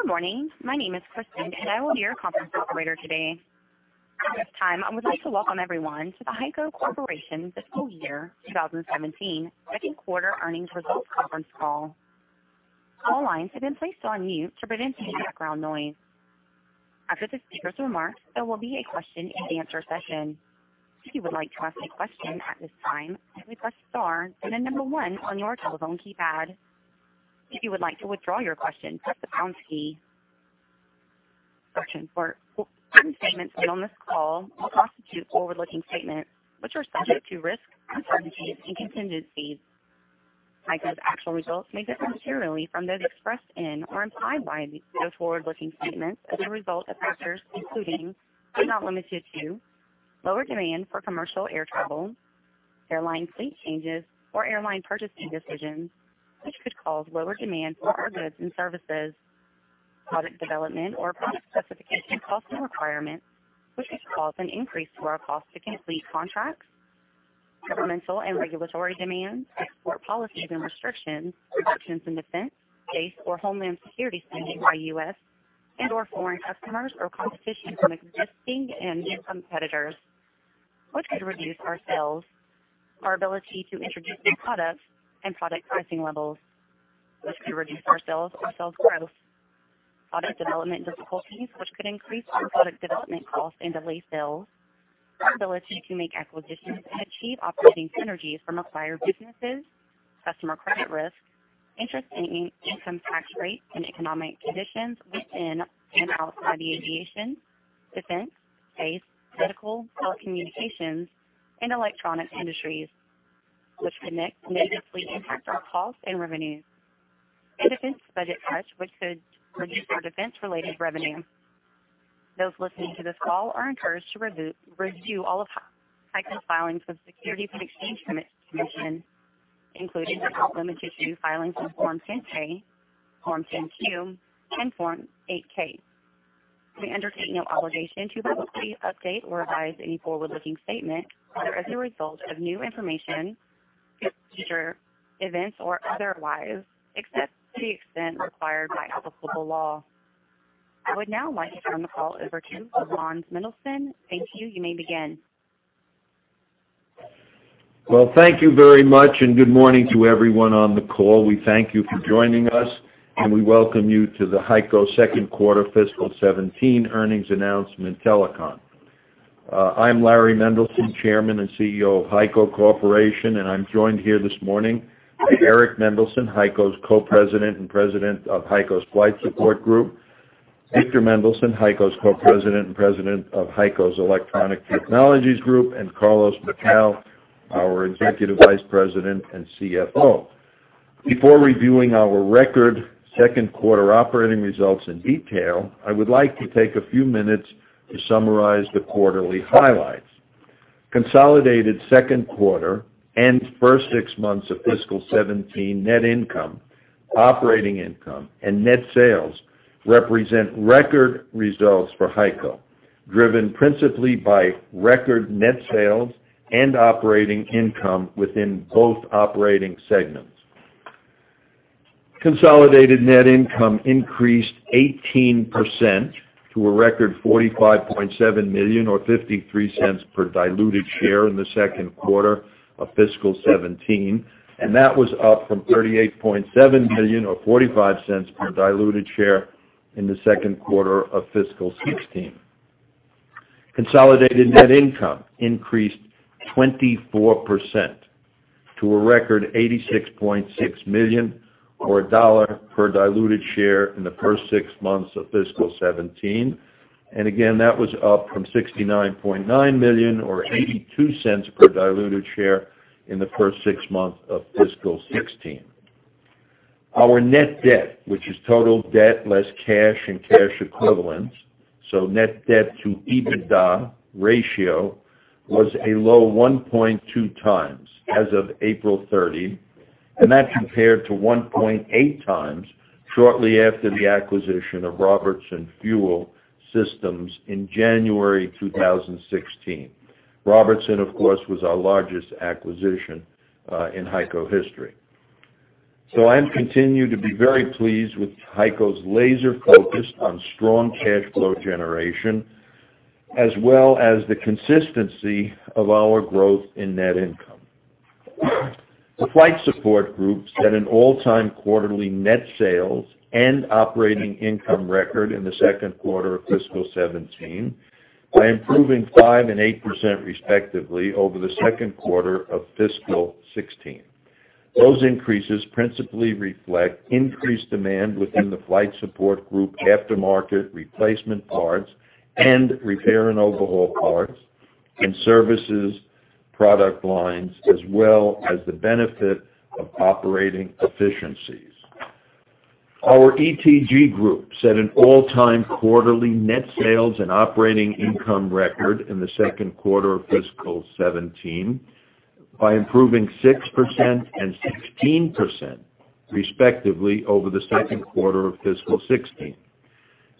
Good morning. My name is Kristen, and I will be your conference operator today. At this time, I would like to welcome everyone to the HEICO Corporation Fiscal Year 2017 Second Quarter Earnings Results Conference Call. All lines have been placed on mute to prevent any background noise. After the speakers' remarks, there will be a question-and-answer session. If you would like to ask a question at this time, simply press star and then number one on your telephone keypad. If you would like to withdraw your question, press the pound key. Certain statements made on this call will constitute forward-looking statements, which are subject to risks, uncertainties, and contingencies. HEICO's actual results may differ materially from those expressed in or implied by these forward-looking statements as a result of factors including, but not limited to, lower demand for commercial air travel, airline fleet changes, or airline purchasing decisions, which could cause lower demand for our goods and services, product development or product specification costs and requirements, which could cause an increase to our cost to complete contracts, governmental and regulatory demands, export policies and restrictions, reductions in defense, base, or homeland security spending by U.S. and/or foreign customers, or competition from existing and new competitors, which could reduce our sales, our ability to introduce new products and product pricing levels, which could reduce our sales or sales growth, product development difficulties, which could increase our product development costs and delay sales, our ability to make acquisitions and achieve operating synergies from acquired businesses, customer credit risk, interest and income tax rates, and economic conditions within and outside the aviation, defense, base, medical, telecommunications, and electronic industries, which can negatively impact our costs and revenues, and defense budget cuts, which could reduce our defense-related revenue. Those listening to this call are encouraged to review all of HEICO's filings with the Securities and Exchange Commission, including but not limited to Filings on Form 10-K, Form 10-Q, and Form 8-K. We undertake no obligation to publicly update or revise any forward-looking statement as a result of new information, future events, or otherwise, except to the extent required by applicable law. I would now like to turn the call over to Laurans Mendelson. Thank you. You may begin. Well, thank you very much, and good morning to everyone on the call. We thank you for joining us, and we welcome you to the HEICO Second Quarter Fiscal 2017 Earnings Announcement telecon. I'm Larry Mendelson, Chairman and CEO of HEICO Corporation, and I'm joined here this morning by Eric Mendelson, HEICO's Co-President and President of HEICO's Flight Support Group; Victor Mendelson, HEICO's Co-President and President of HEICO's Electronic Technologies Group; and Carlos Macau, our Executive Vice President and CFO. Before reviewing our record second quarter operating results in detail, I would like to take a few minutes to summarize the quarterly highlights. Consolidated second quarter and first six months of fiscal 2017 net income, operating income, and net sales represent record results for HEICO, driven principally by record net sales and operating income within both operating segments. Consolidated net income increased 18% to a record $45.7 million, or $0.53 per diluted share in the second quarter of fiscal 2017, and that was up from $38.7 million, or $0.45 per diluted share in the second quarter of fiscal 2016. Consolidated net income increased 24% to a record $86.6 million, or $1.00 per diluted share in the first six months of fiscal 2017. That was up from $69.9 million, or $0.82 per diluted share in the first six months of fiscal 2016. Our net debt, which is total debt less cash and cash equivalents, so net debt to EBITDA ratio was a low 1.2 times as of April 30, and that compared to 1.8 times shortly after the acquisition of Robertson Fuel Systems in January 2016. Robertson, of course, was our largest acquisition in HEICO history. I continue to be very pleased with HEICO's laser focus on strong cash flow generation, as well as the consistency of our growth in net income. The Flight Support Group set an all-time quarterly net sales and operating income record in the second quarter of fiscal 2017 by improving 5% and 8% respectively over the second quarter of fiscal 2016. Those increases principally reflect increased demand within the Flight Support Group after-market replacement parts and repair and overhaul parts in services product lines, as well as the benefit of operating efficiencies. Our ETG Group set an all-time quarterly net sales and operating income record in the second quarter of fiscal 2017 by improving 6% and 16% respectively over the second quarter of fiscal 2016.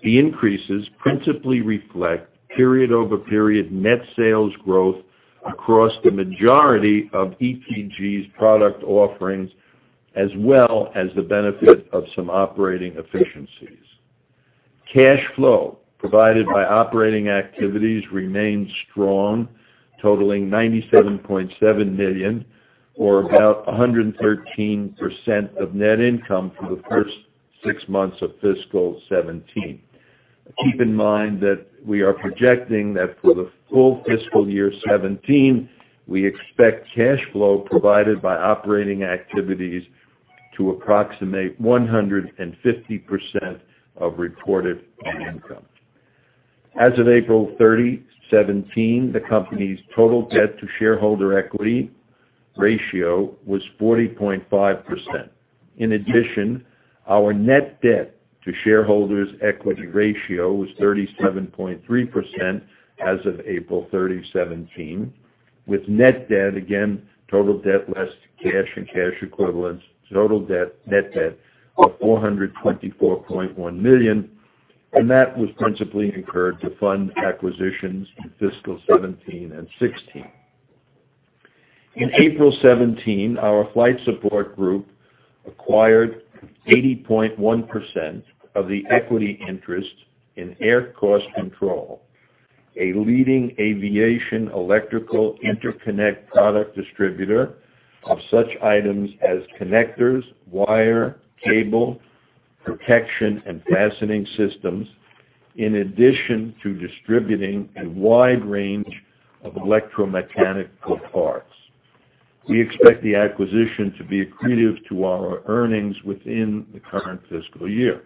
The increases principally reflect period-over-period net sales growth across the majority of ETG's product offerings, as well as the benefit of some operating efficiencies. Cash flow provided by operating activities remained strong, totaling $97.7 million or about 113% of net income for the first six months of fiscal 2017. Keep in mind that we are projecting that for the full fiscal year 2017, we expect cash flow provided by operating activities to approximate 150% of reported net income. As of April 30, 2017, the company's total debt to shareholder equity ratio was 40.5%. In addition, our net debt to shareholders' equity ratio was 37.3% as of April 30, 2017, with net debt, again, total debt less cash and cash equivalents. Total debt, net debt of $424.1 million, and that was principally incurred to fund acquisitions in fiscal 2017 and 2016. In April 2017, our Flight Support Group acquired 80.1% of the equity interest in Air Cost Control, a leading aviation electrical interconnect product distributor of such items as connectors, wire, cable, protection and fastening systems, in addition to distributing a wide range of electromechanical parts. We expect the acquisition to be accretive to our earnings within the current fiscal year.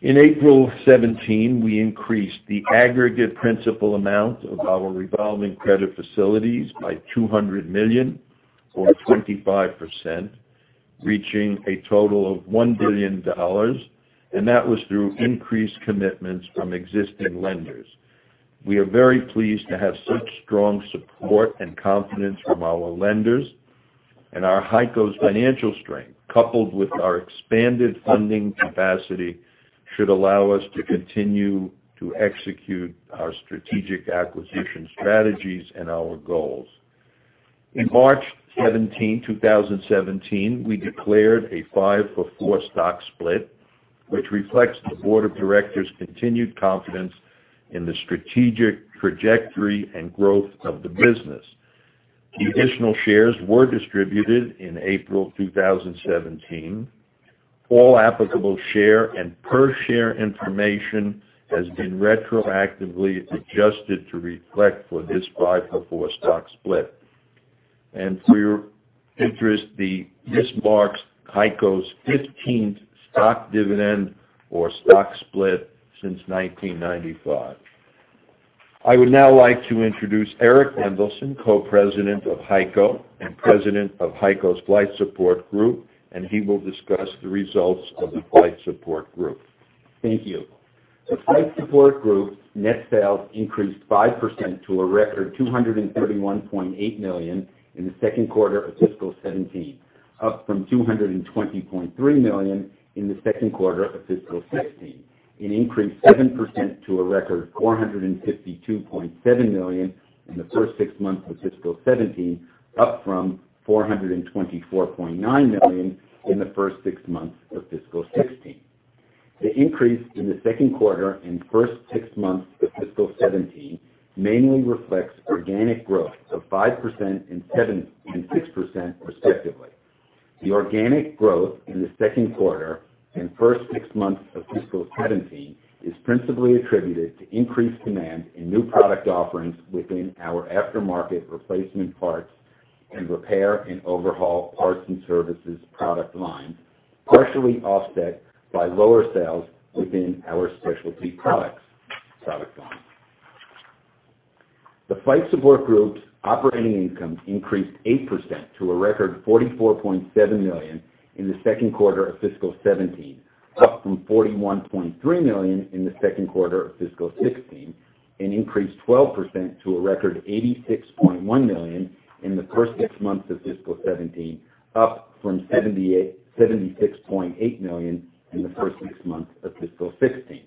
In April 2017, we increased the aggregate principal amount of our revolving credit facilities by $200 million or 25%, reaching a total of $1 billion, and that was through increased commitments from existing lenders. We are very pleased to have such strong support and confidence from our lenders, and HEICO's financial strength, coupled with our expanded funding capacity, should allow us to continue to execute our strategic acquisition strategies and our goals. In March 2017, we declared a five-for-four stock split, which reflects the board of directors' continued confidence in the strategic trajectory and growth of the business. The additional shares were distributed in April 2017. All applicable share and per share information has been retroactively adjusted to reflect for this five-for-four stock split. For your interest, this marks HEICO's 15th stock dividend or stock split since 1995. I would now like to introduce Eric Mendelson, Co-President of HEICO and President of HEICO's Flight Support Group. He will discuss the results of the Flight Support Group. Thank you. The Flight Support Group's net sales increased 5% to a record $231.8 million in the second quarter of fiscal 2017, up from $220.3 million in the second quarter of fiscal 2016. Increased 7% to a record $452.7 million in the first six months of fiscal 2017, up from $424.9 million in the first six months of fiscal 2016. The increase in the second quarter and first six months of fiscal 2017 mainly reflects organic growth of 5% and 6% respectively. The organic growth in the second quarter and first six months of fiscal 2017 is principally attributed to increased demand in new product offerings within our aftermarket replacement parts and repair and overhaul parts and services product line, partially offset by lower sales within our specialty products product line. The Flight Support Group's operating income increased 8% to a record $44.7 million in the second quarter of fiscal 2017, up from $41.3 million in the second quarter of fiscal 2016. Increased 12% to a record $86.1 million in the first six months of fiscal 2017, up from $76.8 million in the first six months of fiscal 2016.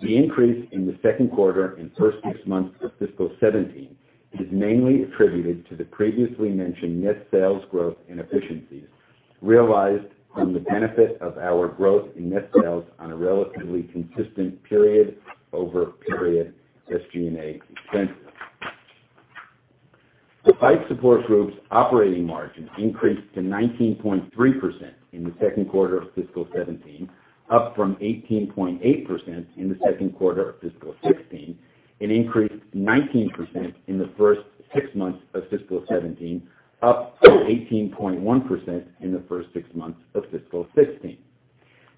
The increase in the second quarter and first six months of fiscal 2017 is mainly attributed to the previously mentioned net sales growth and efficiencies realized from the benefit of our growth in net sales on a relatively consistent period-over-period SG&A expenses. The Flight Support Group's operating margin increased to 19.3% in the second quarter of fiscal 2017, up from 18.8% in the second quarter of fiscal 2016. Increased to 19% in the first six months of fiscal 2017, up from 18.1% in the first six months of fiscal 2016.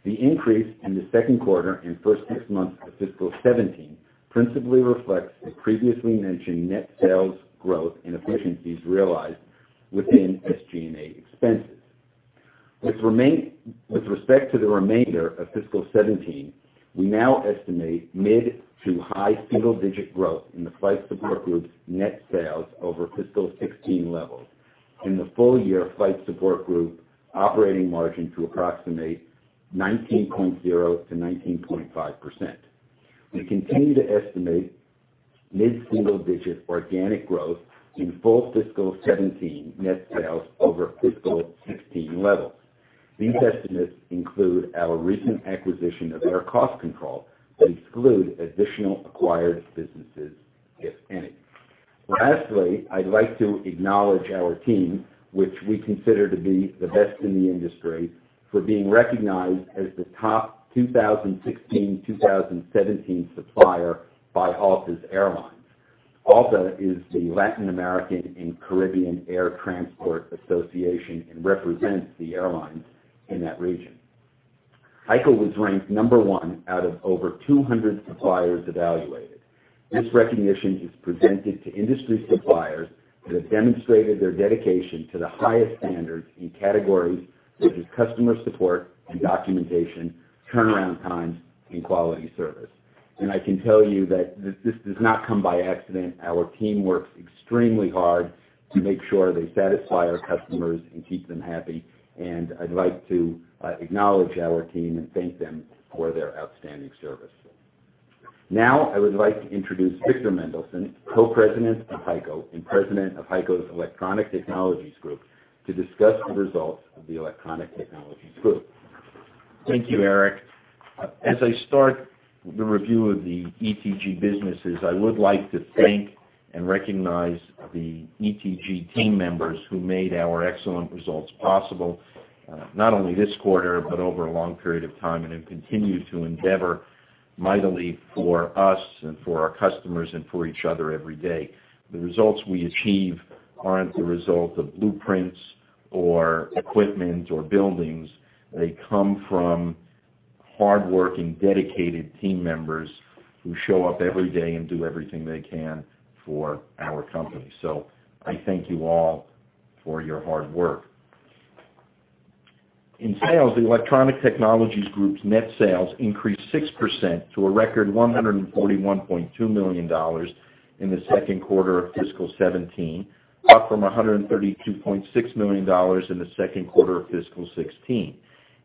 The increase in the second quarter and first six months of fiscal 2017 principally reflects the previously mentioned net sales growth and efficiencies realized within SG&A expenses. With respect to the remainder of fiscal 2017, we now estimate mid to high single-digit growth in the Flight Support Group's net sales over fiscal 2016 levels. In the full year Flight Support Group operating margin to approximate 19.0%-19.5%. We continue to estimate mid-single-digit organic growth in full fiscal 2017 net sales over fiscal 2016 levels. These estimates include our recent acquisition of Air Cost Control. Exclude additional acquired businesses, if any. Lastly, I'd like to acknowledge our team, which we consider to be the best in the industry, for being recognized as the top 2016-2017 supplier by ALTA's Airlines. ALTA is the Latin American and Caribbean Air Transport Association and represents the airlines in that region. HEICO was ranked number 1 out of over 200 suppliers evaluated. This recognition is presented to industry suppliers that have demonstrated their dedication to the highest standards in categories such as customer support and documentation, turnaround times, and quality service. I can tell you that this does not come by accident. Our team works extremely hard to make sure they satisfy our customers and keep them happy. I'd like to acknowledge our team and thank them for their outstanding service. I would like to introduce Victor Mendelson, Co-President of HEICO and President of HEICO's Electronic Technologies Group, to discuss the results of the Electronic Technologies Group. Thank you, Eric. As I start the review of the ETG businesses, I would like to thank and recognize the ETG team members who made our excellent results possible, not only this quarter, but over a long period of time, and have continued to endeavor mightily for us and for our customers and for each other every day. The results we achieve aren't the result of blueprints or equipment or buildings. They come from hardworking, dedicated team members who show up every day and do everything they can for our company. I thank you all for your hard work. In sales, the Electronic Technologies Group's net sales increased 6% to a record $141.2 million in the second quarter of fiscal 2017, up from $132.6 million in the second quarter of fiscal 2016,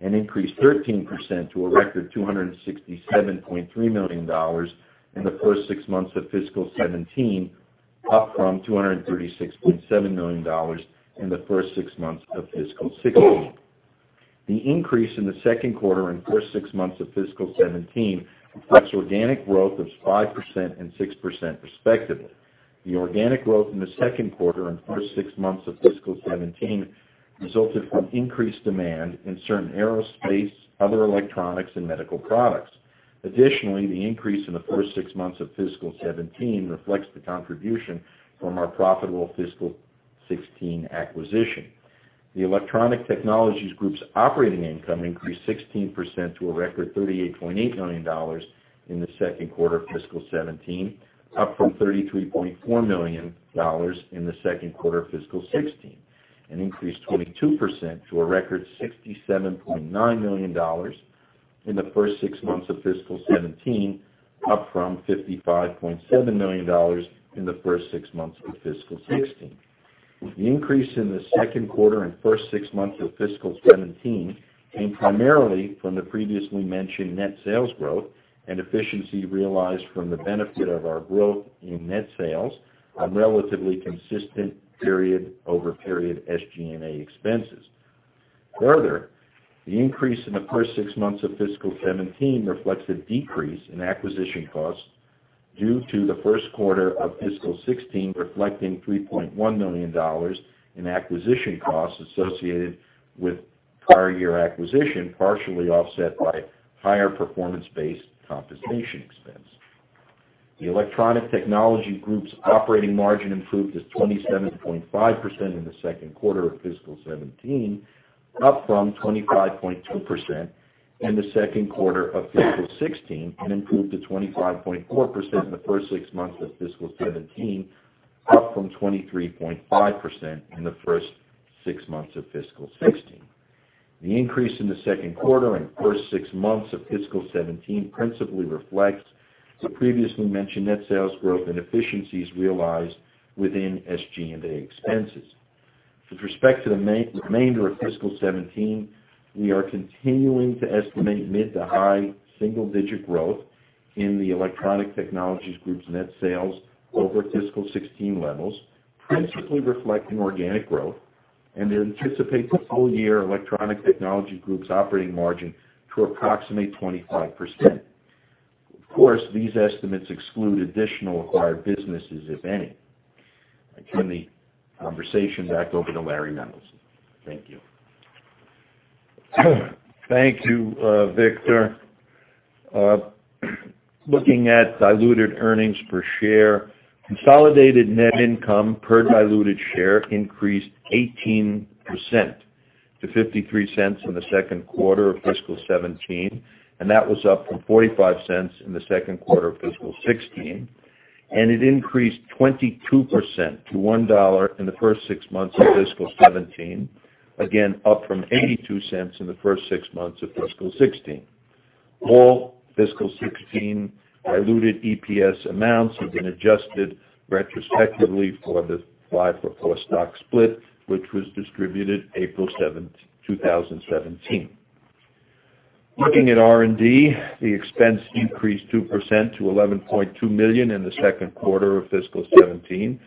and increased 13% to a record $267.3 million in the first six months of fiscal 2017, up from $236.7 million in the first six months of fiscal 2016. The increase in the second quarter and first six months of fiscal 2017 reflects organic growth of 5% and 6%, respectively. The organic growth in the second quarter and first six months of fiscal 2017 resulted from increased demand in certain aerospace, other electronics, and medical products. Additionally, the increase in the first six months of fiscal 2017 reflects the contribution from our profitable fiscal 2016 acquisition. The Electronic Technologies Group's operating income increased 16% to a record $38.8 million in the second quarter of fiscal 2017, up from $33.4 million in the second quarter of fiscal 2016, and increased 22% to a record $67.9 million in the first six months of fiscal 2017, up from $55.7 million in the first six months of fiscal 2016. The increase in the second quarter and first six months of fiscal 2017 came primarily from the previously mentioned net sales growth and efficiency realized from the benefit of our growth in net sales on relatively consistent period-over-period SG&A expenses. The increase in the first six months of fiscal 2017 reflects a decrease in acquisition costs due to the first quarter of fiscal 2016 reflecting $3.1 million in acquisition costs associated with prior year acquisition, partially offset by higher performance-based compensation expense. The Electronic Technologies Group's operating margin improved to 27.5% in the second quarter of fiscal 2017, up from 25.2% in the second quarter of fiscal 2016, and improved to 25.4% in the first six months of fiscal 2017, up from 23.5% in the first six months of fiscal 2016. The increase in the second quarter and first six months of fiscal 2017 principally reflects the previously mentioned net sales growth and efficiencies realized within SG&A expenses. With respect to the remainder of fiscal 2017, we are continuing to estimate mid to high single-digit growth in the Electronic Technologies Group's net sales over fiscal 2016 levels, principally reflecting organic growth, and anticipate full year Electronic Technologies Group's operating margin to approximate 25%. Of course, these estimates exclude additional acquired businesses, if any. I turn the conversation back over to Laurans Mendelson. Thank you. Thank you, Victor. Looking at diluted earnings per share, consolidated net income per diluted share increased 18% to $0.53 in the second quarter of fiscal 2017, that was up from $0.45 in the second quarter of fiscal 2016, it increased 22% to $1 in the first six months of fiscal 2017, again, up from $0.82 in the first six months of fiscal 2016. All fiscal 2016 diluted EPS amounts have been adjusted retrospectively for the five-for-four stock split, which was distributed April 7, 2017. Looking at R&D, the expense increased 2% to $11.2 million in the second quarter of fiscal 2017,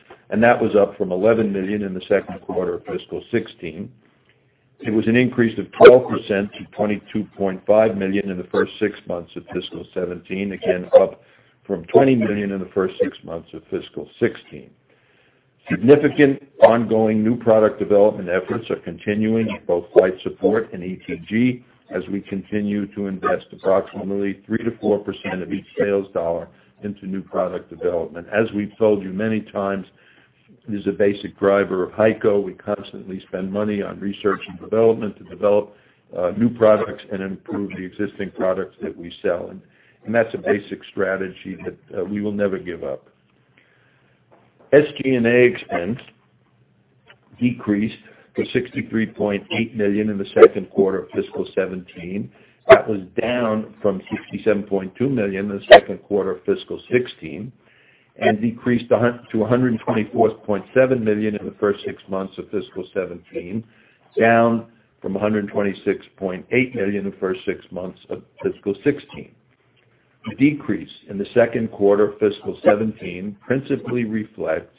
that was up from $11 million in the second quarter of fiscal 2016. It was an increase of 12% to $22.5 million in the first six months of fiscal 2017, again, up from $20 million in the first six months of fiscal 2016. Significant ongoing new product development efforts are continuing in both Flight Support and ETG, as we continue to invest approximately 3%-4% of each sales dollar into new product development. As we've told you many times, it is a basic driver of HEICO. We constantly spend money on research and development to develop new products and improve the existing products that we sell, that's a basic strategy that we will never give up. SG&A expense decreased to $63.8 million in the second quarter of fiscal 2017. That was down from $67.2 million in the second quarter of fiscal 2016, decreased to $124.7 million in the first six months of fiscal 2017, down from $126.8 million in the first six months of fiscal 2016. The decrease in the second quarter of fiscal 2017 principally reflects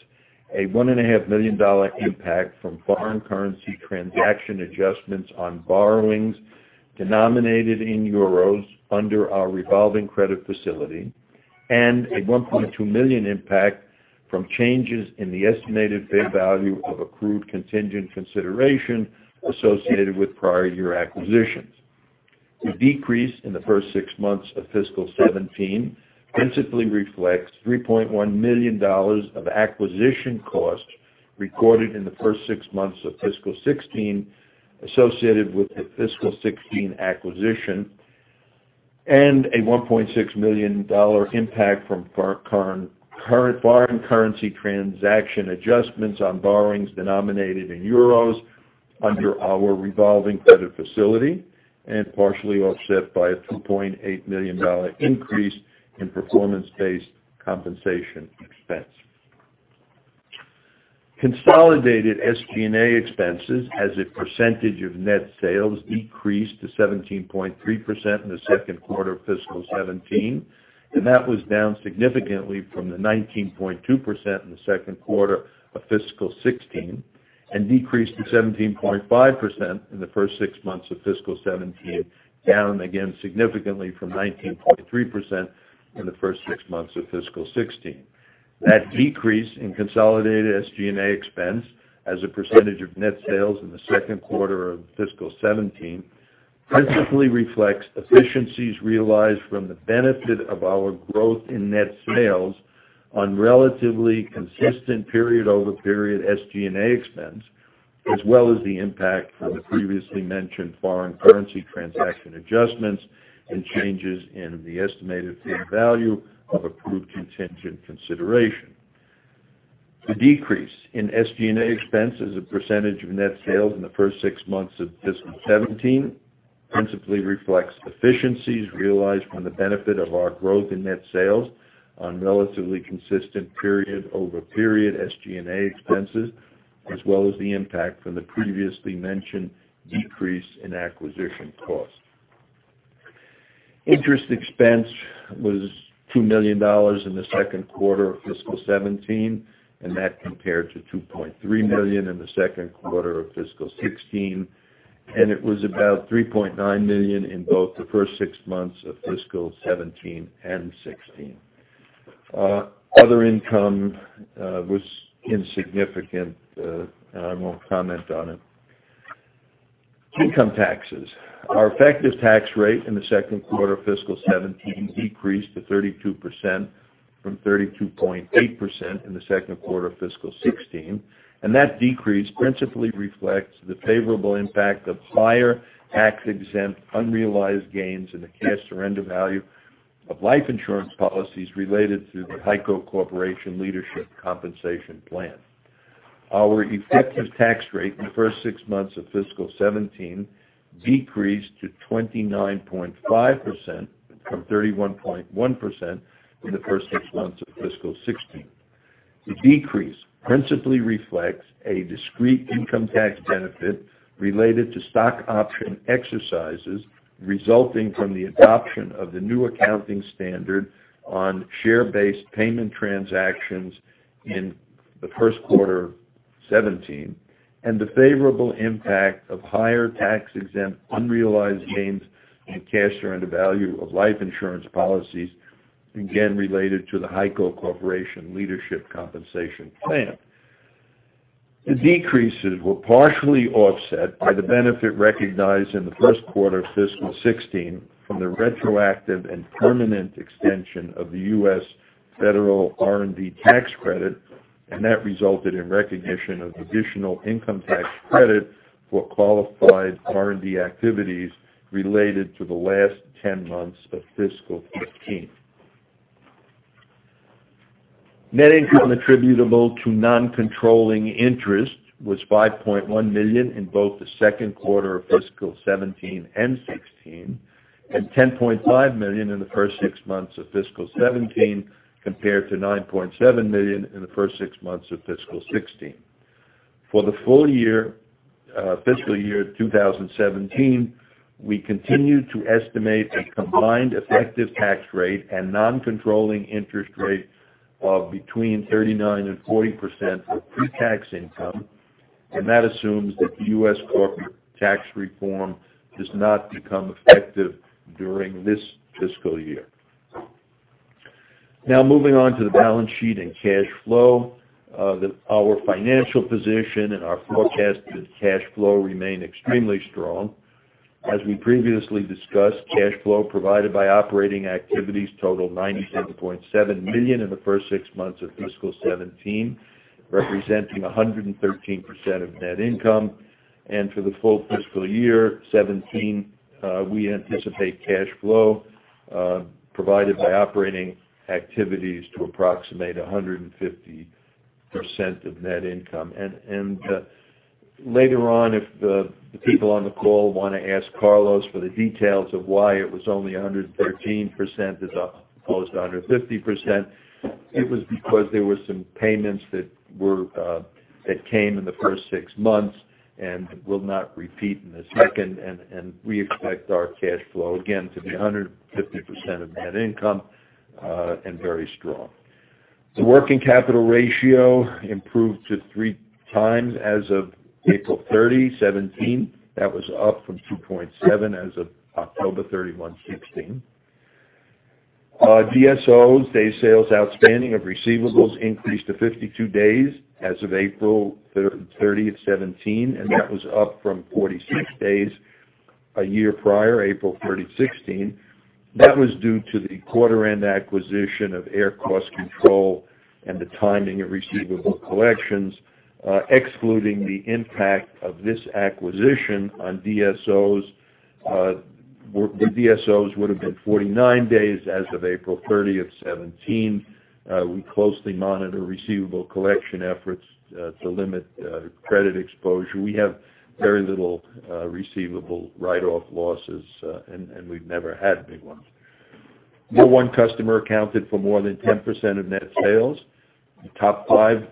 a $1.5 million impact from foreign currency transaction adjustments on borrowings denominated in EUR under our revolving credit facility, a $1.2 million impact from changes in the estimated fair value of accrued contingent consideration associated with prior year acquisitions. The decrease in the first six months of fiscal 2017 principally reflects $3.1 million of acquisition costs recorded in the first six months of fiscal 2016 associated with the fiscal 2016 acquisition, and a $1.6 million impact from foreign currency transaction adjustments on borrowings denominated in EUR under our revolving credit facility, and partially offset by a $2.8 million increase in performance-based compensation expense. Consolidated SG&A expenses as a percentage of net sales decreased to 17.3% in the second quarter of fiscal 2017, and that was down significantly from the 19.2% in the second quarter of fiscal 2016, and decreased to 17.5% in the first six months of fiscal 2017, down again significantly from 19.3% in the first six months of fiscal 2016. That decrease in consolidated SG&A expense as a percentage of net sales in the second quarter of fiscal 2017 principally reflects efficiencies realized from the benefit of our growth in net sales on relatively consistent period-over-period SG&A expense, as well as the impact from the previously mentioned foreign currency transaction adjustments and changes in the estimated fair value of approved contingent consideration. The decrease in SG&A expense as a percentage of net sales in the first six months of fiscal 2017 principally reflects efficiencies realized from the benefit of our growth in net sales on relatively consistent period-over-period SG&A expenses, as well as the impact from the previously mentioned decrease in acquisition costs. Interest expense was $2 million in the second quarter of fiscal 2017, and that compared to $2.3 million in the second quarter of fiscal 2016, and it was about $3.9 million in both the first six months of fiscal 2017 and 2016. Other income was insignificant, and I won't comment on it. Income taxes. Our effective tax rate in the second quarter of fiscal 2017 decreased to 32% from 32.8% in the second quarter of fiscal 2016, and that decrease principally reflects the favorable impact of higher tax-exempt unrealized gains in the cash surrender value of life insurance policies related to the HEICO Corporation Leadership Compensation Plan. Our effective tax rate in the first six months of fiscal 2017 decreased to 29.5% from 31.1% in the first six months of fiscal 2016. The decrease principally reflects a discrete income tax benefit related to stock option exercises resulting from the adoption of the new accounting standard on share-based payment transactions in the first quarter 2017, and the favorable impact of higher tax-exempt unrealized gains in cash surrender value of life insurance policies, again related to the HEICO Corporation Leadership Compensation Plan. The decreases were partially offset by the benefit recognized in the first quarter of fiscal 2016 from the retroactive and permanent extension of the U.S. Federal R&D tax credit, and that resulted in recognition of additional income tax credit for qualified R&D activities related to the last 10 months of fiscal 2015. Net income attributable to non-controlling interest was $5.1 million in both the second quarter of fiscal 2017 and 2016, and $10.5 million in the first six months of fiscal 2017, compared to $9.7 million in the first six months of fiscal 2016. For the full year, fiscal year 2017, we continue to estimate a combined effective tax rate and non-controlling interest rate of between 39%-40% of pre-tax income, and that assumes that the U.S. corporate tax reform does not become effective during this fiscal year. Moving on to the balance sheet and cash flow. Our financial position and our forecasted cash flow remain extremely strong. As we previously discussed, cash flow provided by operating activities totaled $97.7 million in the first six months of fiscal 2017, representing 113% of net income. For the full fiscal year 2017, we anticipate cash flow provided by operating activities to approximate 150% of net income. Later on, if the people on the call want to ask Carlos for the details of why it was only 113% as opposed to 150%, it was because there were some payments that came in the first six months and will not repeat in the second. We expect our cash flow, again, to be 150% of net income, and very strong. The working capital ratio improved to three times as of April 30, 2017. That was up from 2.7 as of October 31, 2016. DSOs, Days Sales Outstanding of receivables, increased to 52 days as of April 30, 2017, and that was up from 46 days a year prior, April 30, 2016. That was due to the quarter-end acquisition of Air Cost Control and the timing of receivable collections. Excluding the impact of this acquisition on DSOs, the DSOs would have been 49 days as of April 30, 2017. We closely monitor receivable collection efforts to limit credit exposure. We have very little receivable write-off losses, and we've never had big ones. No one customer accounted for more than 10% of net sales. The top five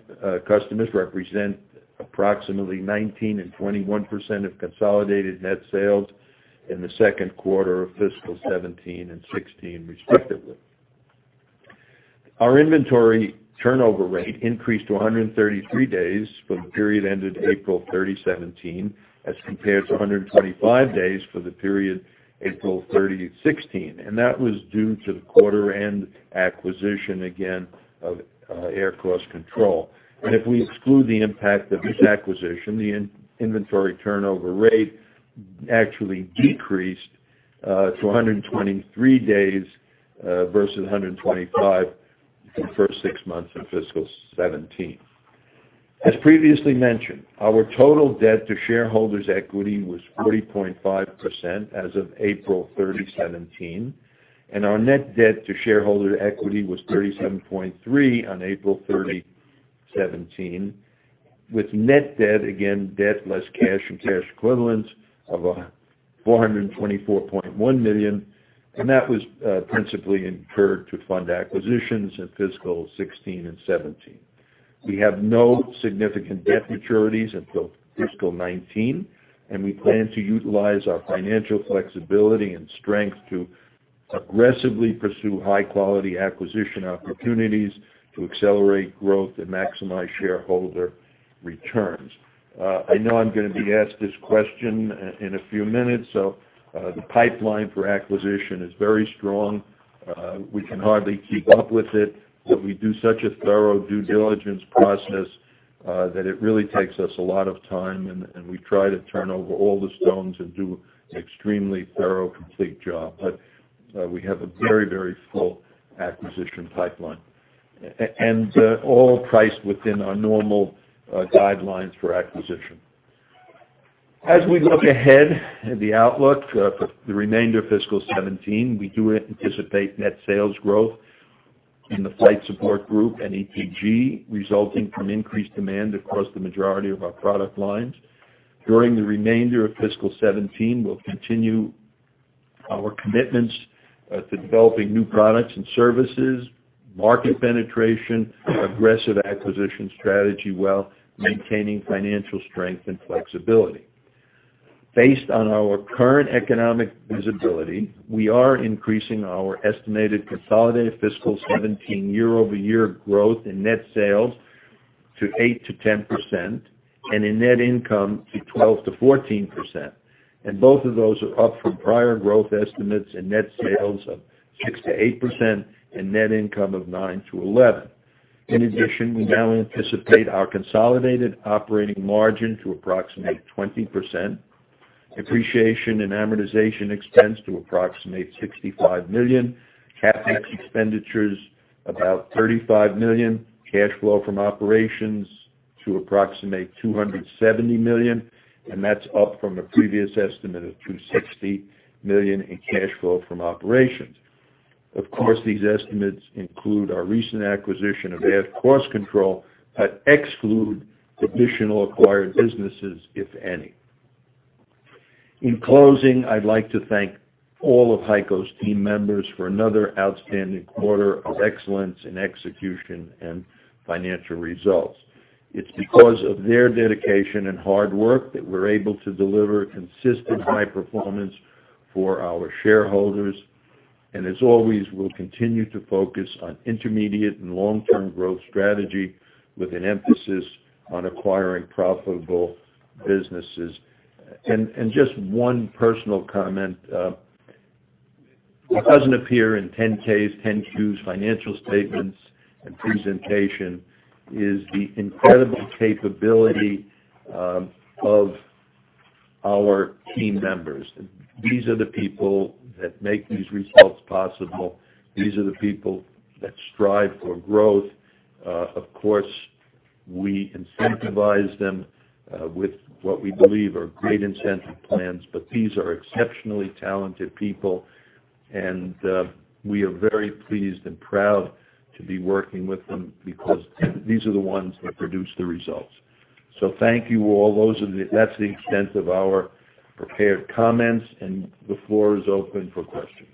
customers represent approximately 19% and 21% of consolidated net sales in the second quarter of fiscal 2017 and 2016, respectively. Our inventory turnover rate increased to 133 days for the period ended April 30, 2017, as compared to 125 days for the period April 30, 2016. That was due to the quarter-end acquisition, again, of Air Cost Control. If we exclude the impact of this acquisition, the inventory turnover rate actually decreased to 123 days versus 125 for the first six months of fiscal 2017. As previously mentioned, our total debt to shareholders' equity was 40.5% as of April 30, 2017, and our net debt to shareholder equity was 37.3 on April 30, 2017, with net debt, again, debt less cash and cash equivalents, of $424.1 million. That was principally incurred to fund acquisitions in fiscal 2016 and 2017. We have no significant debt maturities until fiscal 2019, and we plan to utilize our financial flexibility and strength to aggressively pursue high-quality acquisition opportunities to accelerate growth and maximize shareholder returns. I know I'm going to be asked this question in a few minutes. The pipeline for acquisition is very strong. We can hardly keep up with it. We do such a thorough due diligence process, that it really takes us a lot of time, and we try to turn over all the stones and do extremely thorough, complete job. We have a very full acquisition pipeline. All priced within our normal guidelines for acquisition. As we look ahead at the outlook for the remainder of fiscal 2017, we do anticipate net sales growth in the Flight Support Group and ETG, resulting from increased demand across the majority of our product lines. During the remainder of fiscal 2017, we'll continue our commitments to developing new products and services, market penetration, aggressive acquisition strategy, while maintaining financial strength and flexibility. Based on our current economic visibility, we are increasing our estimated consolidated fiscal 2017 year-over-year growth in net sales to 8%-10%, and in net income to 12%-14%. Both of those are up from prior growth estimates in net sales of 6%-8% and net income of 9%-11%. In addition, we now anticipate our consolidated operating margin to approximate 20%, depreciation and amortization expense to approximate $65 million, CapEx expenditures about $35 million, cash flow from operations to approximate $270 million, and that's up from the previous estimate of $260 million in cash flow from operations. Of course, these estimates include our recent acquisition of Air Cost Control, but exclude additional acquired businesses, if any. In closing, I'd like to thank all of HEICO's team members for another outstanding quarter of excellence in execution and financial results. It's because of their dedication and hard work that we're able to deliver consistent high performance for our shareholders. As always, we'll continue to focus on intermediate and long-term growth strategy with an emphasis on acquiring profitable businesses. Just one personal comment. What doesn't appear in 10-Ks, 10-Qs, financial statements, and presentation is the incredible capability of our team members. These are the people that make these results possible. These are the people that strive for growth. Of course, we incentivize them with what we believe are great incentive plans, but these are exceptionally talented people, and we are very pleased and proud to be working with them because these are the ones that produce the results. Thank you all. That's the extent of our prepared comments. The floor is open for questions.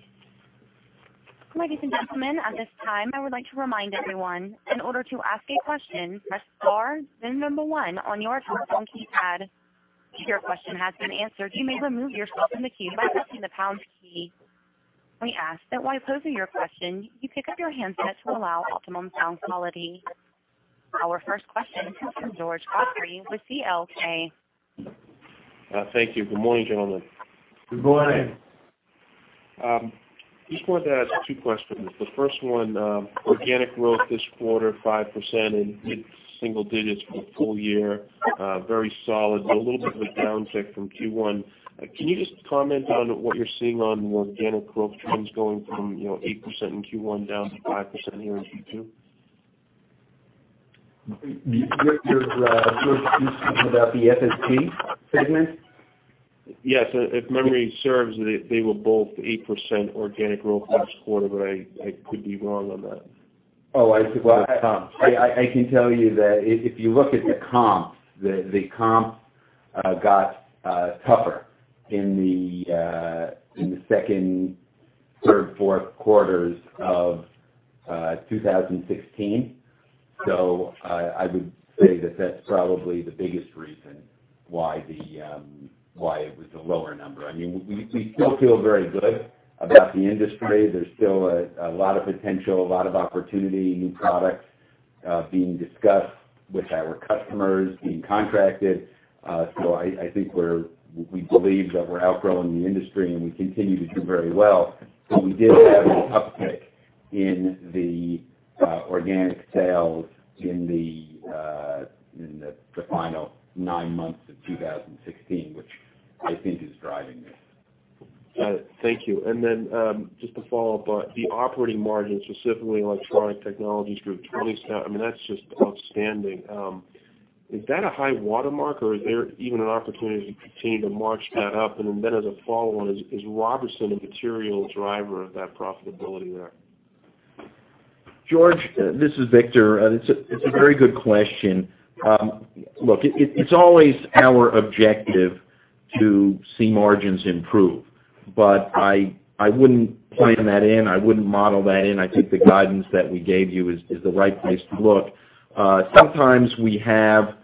Ladies and gentlemen, at this time, I would like to remind everyone, in order to ask a question, press star, then number one on your telephone keypad. If your question has been answered, you may remove yourself from the queue by pressing the pound key. We ask that while posing your question, you pick up your handset to allow optimum sound quality. Our first question comes from George Godfrey with CLSA. Thank you. Good morning, gentlemen. Good morning. Just wanted to ask two questions. The first one, organic growth this quarter, 5% and mid-single digits for the full year. Very solid. A little bit of a downtick from Q1. Can you just comment on what you're seeing on the organic growth trends going from 8% in Q1 down to 5% here in Q2? Victor, you're speaking about the FSG segment? Yes. If memory serves, they were both 8% organic growth last quarter, but I could be wrong on that. Oh, I see. Well, I can tell you that if you look at the comps, the comps got tougher in the second, third, fourth quarters of 2016. I would say that that's probably the biggest reason why it was a lower number. We still feel very good about the industry. There's still a lot of potential, a lot of opportunity, new products being discussed with our customers, being contracted. I think we believe that we're outgrowing the industry, and we continue to do very well. We did have a uptick in the organic sales in the final nine months of 2016, which I think is driving this. Thank you. Just to follow up on the operating margin, specifically Electronic Technologies Group, 27%, that's just outstanding. Is that a high watermark, or is there even an opportunity to continue to march that up? As a follow-on, is Robertson a material driver of that profitability there? George, this is Victor. It's a very good question. Look, it's always our objective to see margins improve, but I wouldn't plan that in. I wouldn't model that in. I think the guidance that we gave you is the right place to look. Sometimes we have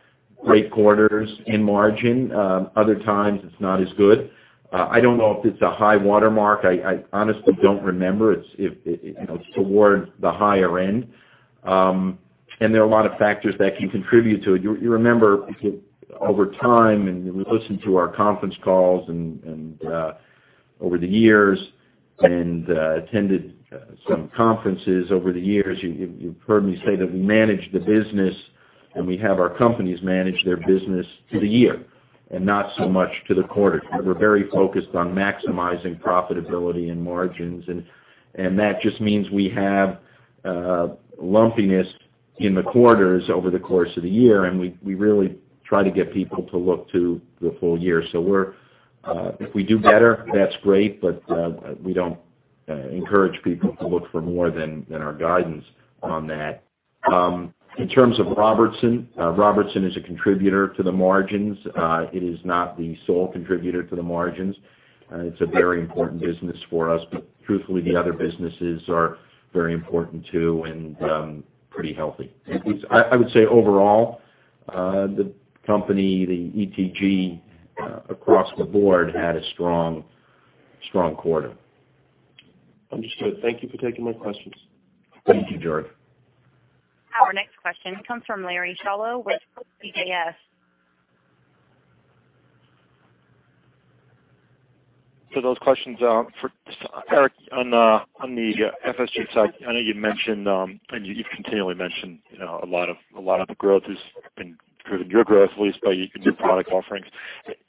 great quarters in margin. Other times it's not as good. I don't know if it's a high watermark. I honestly don't remember. It's towards the higher end. There are a lot of factors that can contribute to it. You remember, over time, and you listen to our conference calls over the years and attended some conferences over the years, you've heard me say that we manage the business, and we have our companies manage their business to the year, and not so much to the quarter. We're very focused on maximizing profitability and margins, that just means we have lumpiness in the quarters over the course of the year, we really try to get people to look to the full year. If we do better, that's great, we don't encourage people to look for more than our guidance on that. In terms of Robertson is a contributor to the margins. It is not the sole contributor to the margins. It's a very important business for us, but truthfully, the other businesses are very important too, and pretty healthy. I would say overall, the company, the ETG, across the board, had a strong quarter. Understood. Thank you for taking my questions. Thank you, George. Our next question comes from Larry Solow with CJS. those questions for Eric on the FSG side. I know you've continually mentioned a lot of the growth has been driven, your growth at least, by your new product offerings.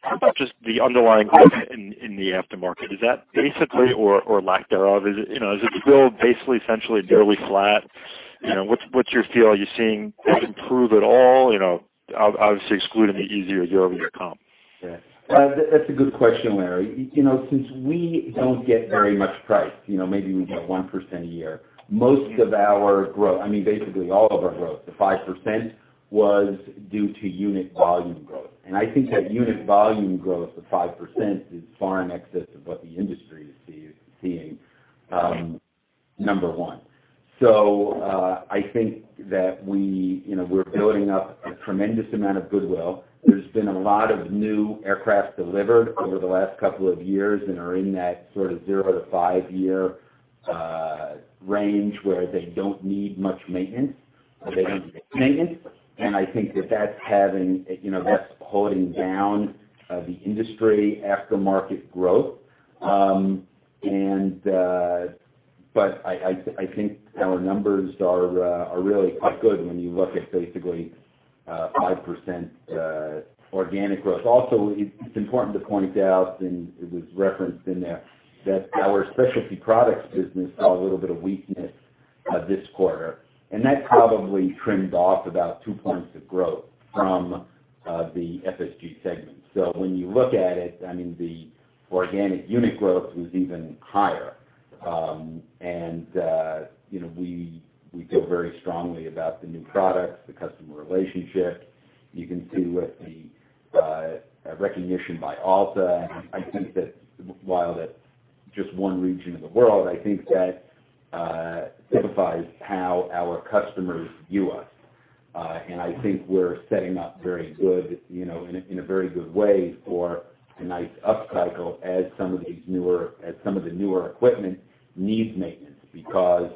How about just the underlying growth in the aftermarket? Is that basically or lack thereof? Is the growth basically, essentially barely flat? What's your feel? Are you seeing it improve at all? Obviously excluding the easier year-over-year comp. Yeah. That's a good question, Larry. Since we don't get very much price, maybe we get 1% a year, most of our growth, basically all of our growth, the 5%, was due to unit volume growth. I think that unit volume growth of 5% is far in excess of what the industry is seeing, number one. I think that we're building up a tremendous amount of goodwill. There's been a lot of new aircraft delivered over the last couple of years and are in that sort of zero to 5-year range where they don't need much maintenance. I think that that's holding down the industry aftermarket growth. I think our numbers are really quite good when you look at basically 5% organic growth. Also, it's important to point out, and it was referenced in there, that our specialty products business saw a little bit of weakness this quarter, and that probably trimmed off about two points of growth from the FSG segment. When you look at it, the organic unit growth was even higher. We feel very strongly about the new products, the customer relationships. You can see with the recognition by ALTA, I think that while that's just one region of the world, I think that signifies how our customers view us. I think we're setting up in a very good way for a nice up cycle as some of the newer equipment needs maintenance, because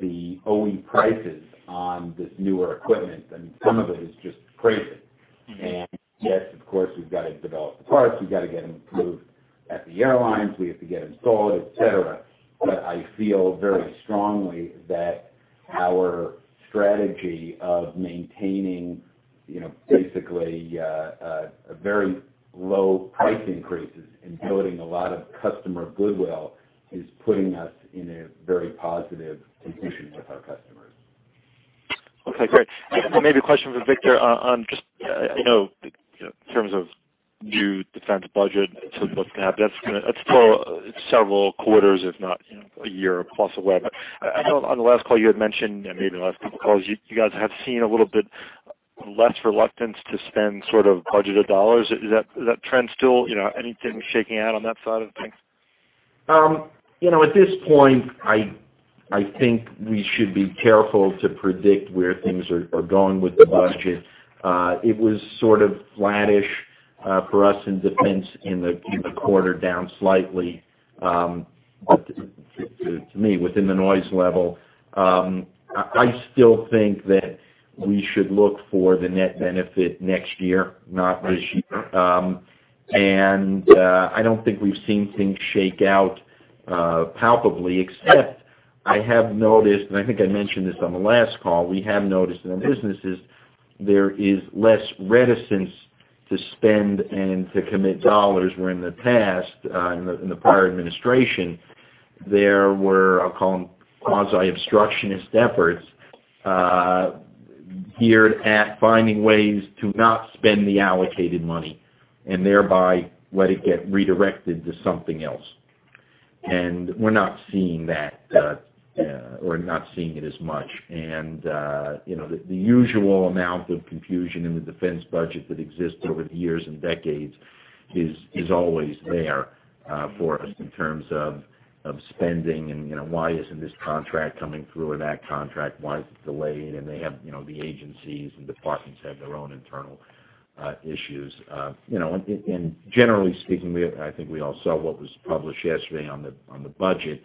the OE prices on this newer equipment, some of it is just crazy. Yes, of course, we've got to develop the parts, we've got to get them approved at the airlines, we have to get them sold, et cetera. I feel very strongly that our strategy of maintaining basically very low price increases and building a lot of customer goodwill is putting us in a very positive position with our customers. Okay, great. Maybe a question for Victor on just, in terms of new defense budget, what is going to happen. That is still several quarters if not a year, plus or whatever. I know on the last call you had mentioned, maybe the last couple of calls, you guys have seen a little bit less reluctance to spend sort of budgeted dollars. Is that trend still, anything shaking out on that side of things? At this point, I think we should be careful to predict where things are going with the budget. It was sort of flattish for us in defense in the quarter, down slightly. To me, within the noise level, I still think that we should look for the net benefit next year, not this year. I don't think we have seen things shake out palpably, except I have noticed, and I think I mentioned this on the last call, we have noticed in the businesses, there is less reticence to spend and to commit dollars. Where in the past, in the prior administration, there were, I will call them quasi-obstructionist efforts geared at finding ways to not spend the allocated money and thereby let it get redirected to something else. We are not seeing that, or not seeing it as much. The usual amount of confusion in the defense budget that exists over the years and decades is always there for us in terms of spending and why is not this contract coming through or that contract, why is it delayed? The agencies and departments have their own internal issues. Generally speaking, I think we all saw what was published yesterday on the budget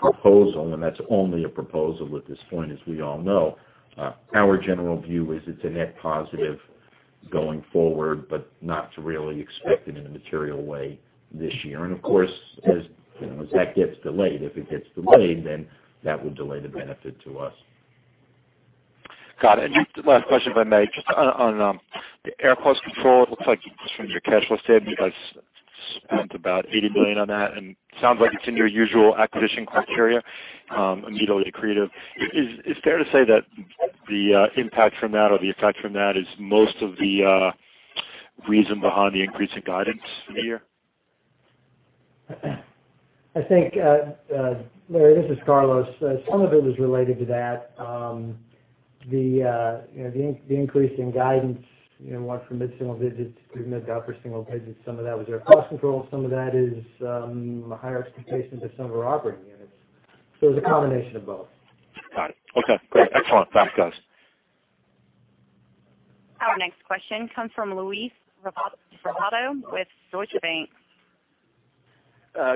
proposal, and that is only a proposal at this point, as we all know. Our general view is it is a net positive going forward, but not to really expect it in a material way this year. Of course, as that gets delayed, if it gets delayed, then that would delay the benefit to us. Got it. Last question if I may, just on the Air Cost Control, it looks like just from your cash listed, you guys spent about $80 million on that. Sounds like it is in your usual acquisition criteria, immediately accretive. Is fair to say that the impact from that, or the effect from that is most of the reason behind the increase in guidance for the year? I think, Larry Solow, this is Carlos Macau. Some of it was related to that. The increase in guidance, went from mid-single digits to mid to upper single digits. Some of that was Air Cost Control. Some of that is a higher expectation of some of our operating units. It was a combination of both. Got it. Okay, great. Excellent. Thanks, guys. Our next question comes from Louis Raffetto with Deutsche Bank.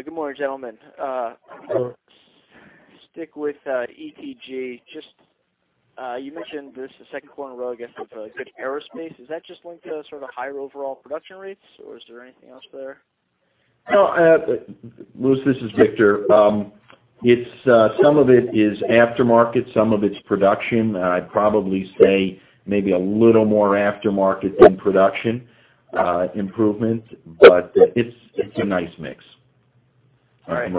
Good morning, gentlemen. Hello. Stick with ETG. You mentioned this the second quarter in a row, I guess with aerospace. Is that just linked to sort of higher overall production rates, or is there anything else there? Louis, this is Victor. Some of it is aftermarket, some of it's production. I'd probably say maybe a little more aftermarket than production improvement. It's a nice mix. All right.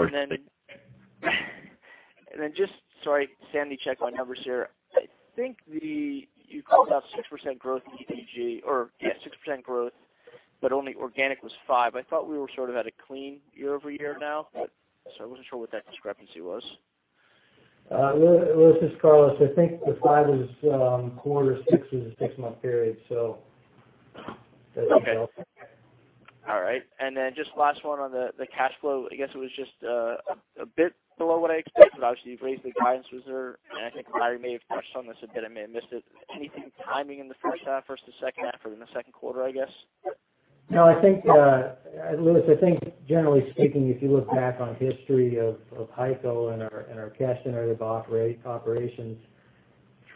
Sorry, Sandy, check my numbers here. I think you called out 6% growth in ETG, or yeah, 6% growth, only organic was five. I thought we were at a clean year-over-year now, I wasn't sure what that discrepancy was. Louis, this is Carlos. I think the five is quarter, six is a six-month period, that's. Okay. All right. Just last one on the cash flow. I guess it was just a bit below what I expected. Obviously, you've raised the guidance reserve, and I think Larry may have touched on this a bit, I may have missed it. Anything timing in the first half versus the second half or in the second quarter, I guess? No, Louis, I think generally speaking, if you look back on history of HEICO and our cash generative operations,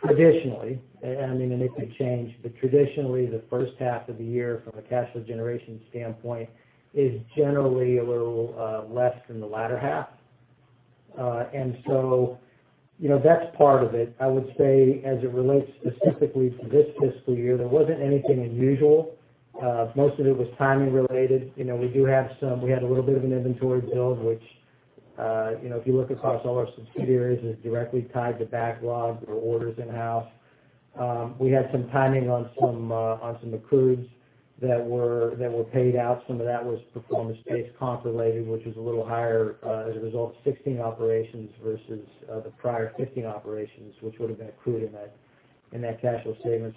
traditionally, and it could change, but the first half of the year from a cash flow generation standpoint is generally a little less than the latter half. That's part of it. I would say, as it relates specifically to this fiscal year, there wasn't anything unusual. Most of it was timing related. We had a little bit of an inventory build, which, if you look across all our subsidiaries, is directly tied to backlog or orders in-house. We had some timing on some accrues that were paid out. Some of that was performance-based comp related, which was a little higher as a result of 16 operations versus the prior 15 operations, which would've been accrued in that cash flow statement.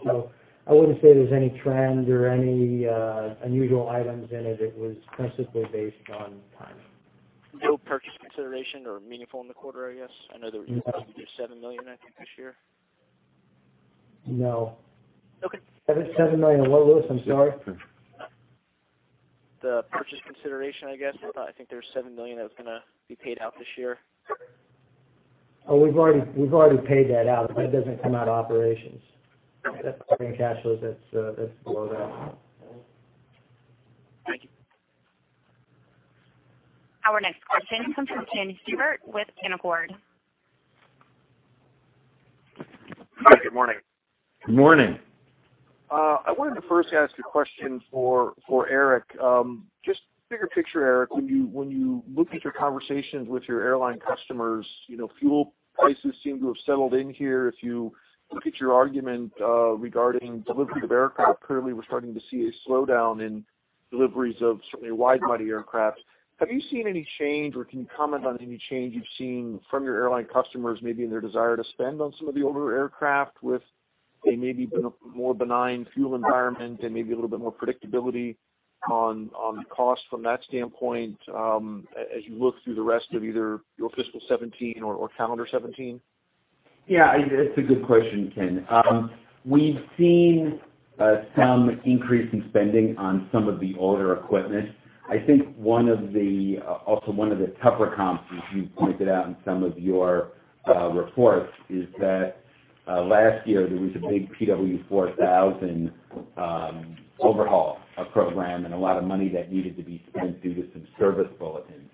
I wouldn't say there's any trend or any unusual items in it. It was principally based on timing. No purchase consideration or meaningful in the quarter, I guess? I know that you said you did $7 million, I think, this year. No. Okay. $7 million what, Louis? I'm sorry. The purchase consideration, I guess. I think there was $7 million that was going to be paid out this year. Oh, we've already paid that out. That doesn't come out of operations. Okay. That's operating cash flows. That's below that. Thank you. Our next question comes from Kenneth Herbert with Canaccord. Hi, good morning. Good morning. I wanted to first ask a question for Eric. Just bigger picture, Eric, when you look at your conversations with your airline customers, fuel prices seem to have settled in here. If you look at your argument regarding delivery of aircraft, clearly we're starting to see a slowdown in deliveries of certainly wide body aircraft. Have you seen any change, or can you comment on any change you've seen from your airline customers, maybe in their desire to spend on some of the older aircraft with a maybe more benign fuel environment and maybe a little bit more predictability on the cost from that standpoint, as you look through the rest of either your fiscal 2017 or calendar 2017? Yeah, it's a good question, Ken. We've seen some increase in spending on some of the older equipment. I think also one of the tougher comps, as you pointed out in some of your reports, is that last year there was a big PW4000 overhaul program and a lot of money that needed to be spent due to some service bulletins.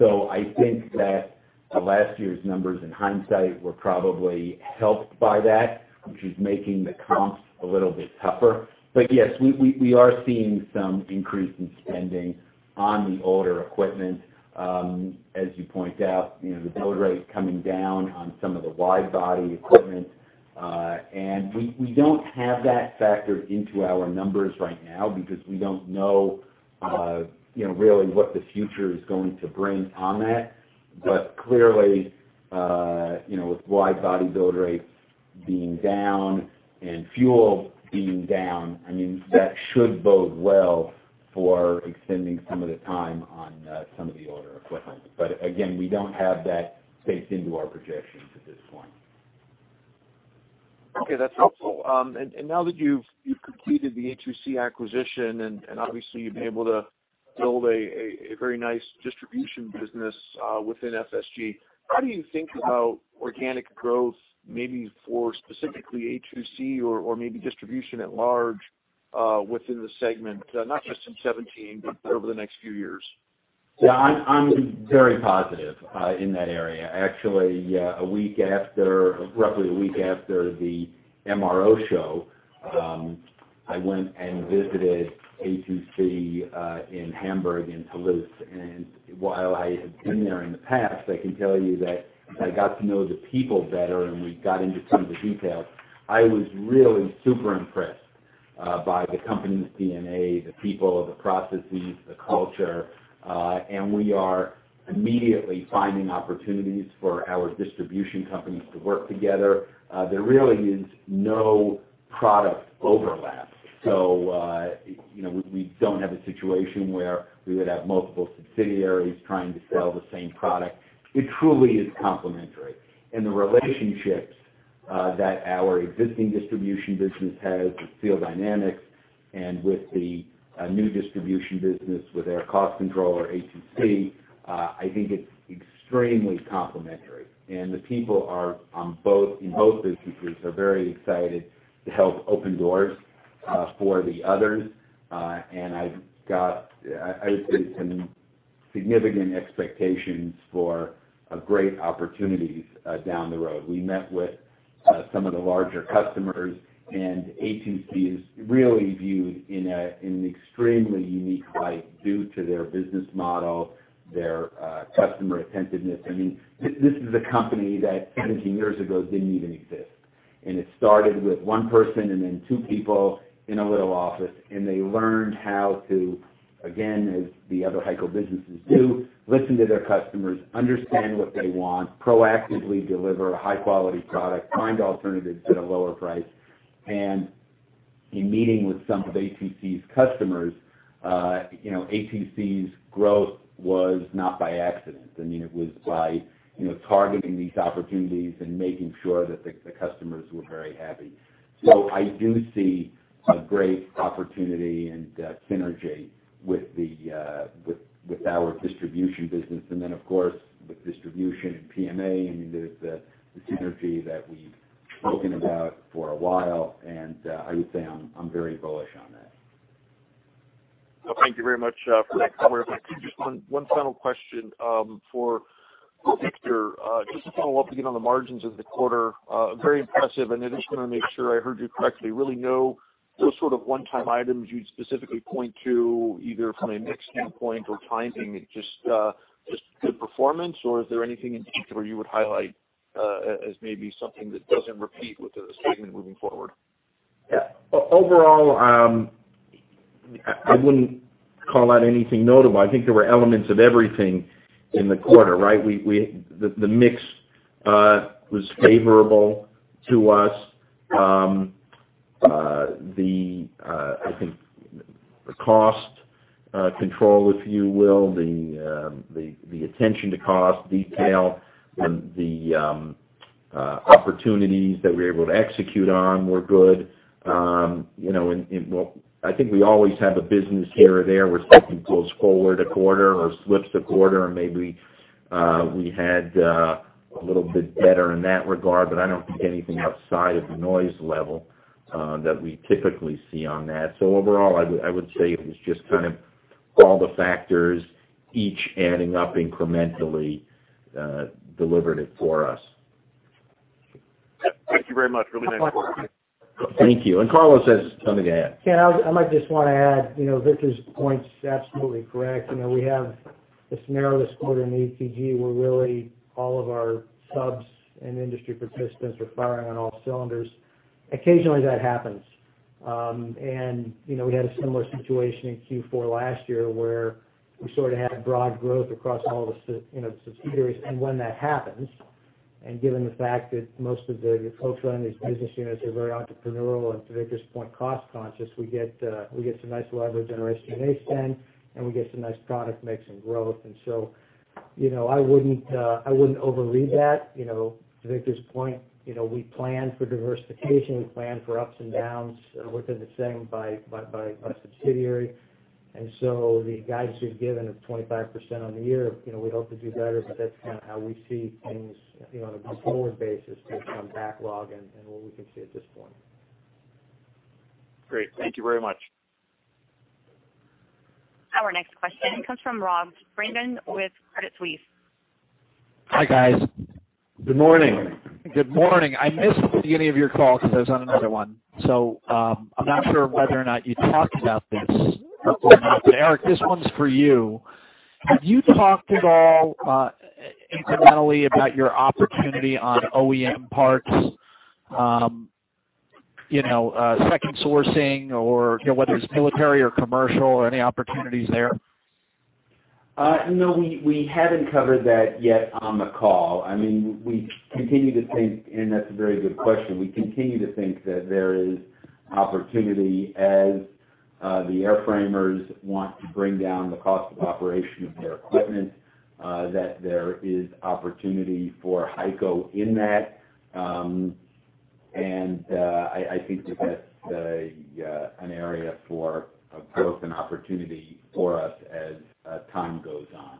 I think that last year's numbers in hindsight were probably helped by that, which is making the comps a little bit tougher. Yes, we are seeing some increase in spending on the older equipment. As you point out, the build rate is coming down on some of the wide body equipment. We don't have that factored into our numbers right now because we don't know really what the future is going to bring on that. Clearly, with wide body build rates being down and fuel being down, that should bode well for extending some of the time on some of the older equipment. Again, we don't have that baked into our projections at this point. Okay, that's helpful. Now that you've completed the A2C acquisition and obviously you've been able to build a very nice distribution business within FSG, how do you think about organic growth, maybe for specifically A2C or maybe distribution at large, within the segment? Not just in 2017, but over the next few years. Yeah, I'm very positive in that area. Actually, roughly a week after the MRO show, I went and visited A2C in Hamburg and Toulouse. While I had been there in the past, I can tell you that as I got to know the people better and we got into some of the details, I was really super impressed by the company's DNA, the people, the processes, the culture. We are immediately finding opportunities for our distribution companies to work together. There really is no product overlap. We don't have a situation where we would have multiple subsidiaries trying to sell the same product. It truly is complementary. The relationships that our existing distribution business has with Seal Dynamics and with the new distribution business with Air Cost Control or A2C, I think it's extremely complementary. The people in both businesses are very excited to help open doors for the others. I would say some significant expectations for great opportunities down the road. We met with some of the larger customers. A2C is really viewed in an extremely unique light due to their business model, their customer attentiveness. This is a company that 17 years ago didn't even exist. It started with one person and then two people in a little office. They learned how to, again, as the other HEICO businesses do, listen to their customers, understand what they want, proactively deliver a high-quality product, find alternatives at a lower price. In meeting with some of A2C's customers, A2C's growth was not by accident. It was by targeting these opportunities and making sure that the customers were very happy. I do see a great opportunity and synergy with our distribution business. Then, of course, with distribution and PMA, there's the synergy that we've spoken about for a while, and I would say I'm very bullish on that. Thank you very much for that color. Just one final question for Victor. Just to follow up again on the margins of the quarter, very impressive. I just want to make sure I heard you correctly. Really no sort of one-time items you'd specifically point to, either from a mix standpoint or timing, it's just good performance, or is there anything in particular you would highlight as maybe something that doesn't repeat with the segment moving forward? Yeah. Overall, I wouldn't call out anything notable. I think there were elements of everything in the quarter, right? The mix was favorable to us. The cost control, if you will, the attention to cost detail, and the opportunities that we were able to execute on were good. I think we always have a business here or there where something pulls forward a quarter or slips a quarter, and maybe we had a little bit better in that regard, but I don't think anything outside of the noise level that we typically see on that. Overall, I would say it was just kind of all the factors, each adding up incrementally, delivered it for us. Thank you very much. Really nice. Thank you. Carlos has something to add. Yeah, I might just want to add, Victor's point's absolutely correct. We have this rarest quarter in the ETG, where really all of our subs and industry participants are firing on all cylinders. Occasionally that happens. We had a similar situation in Q4 last year, where we sort of had broad growth across all the subsidiaries. When that happens, and given the fact that most of the folks running these business units are very entrepreneurial and, to Victor's point, cost-conscious, we get some nice leverage in R&D spend, and we get some nice product mix and growth. I wouldn't overread that. To Victor's point, we plan for diversification. We plan for ups and downs within the same by subsidiary. The guidance we've given of 25% on the year, we'd hope to do better, but that's kind of how we see things on a going forward basis based on backlog and what we can see at this point. Great. Thank you very much. Our next question comes from Robert Spingarn with Credit Suisse. Hi, guys. Good morning. Good morning. I missed the beginning of your call because I was on another one. I'm not sure whether or not you talked about this or not, but Eric, this one's for you. Have you talked at all incrementally about your opportunity on OEM parts, second sourcing or, whether it's military or commercial, any opportunities there? No, we haven't covered that yet on the call. That's a very good question. We continue to think that there is opportunity as the airframers want to bring down the cost of operation of their equipment, that there is opportunity for HEICO in that. I think that that's an area for growth and opportunity for us as time goes on.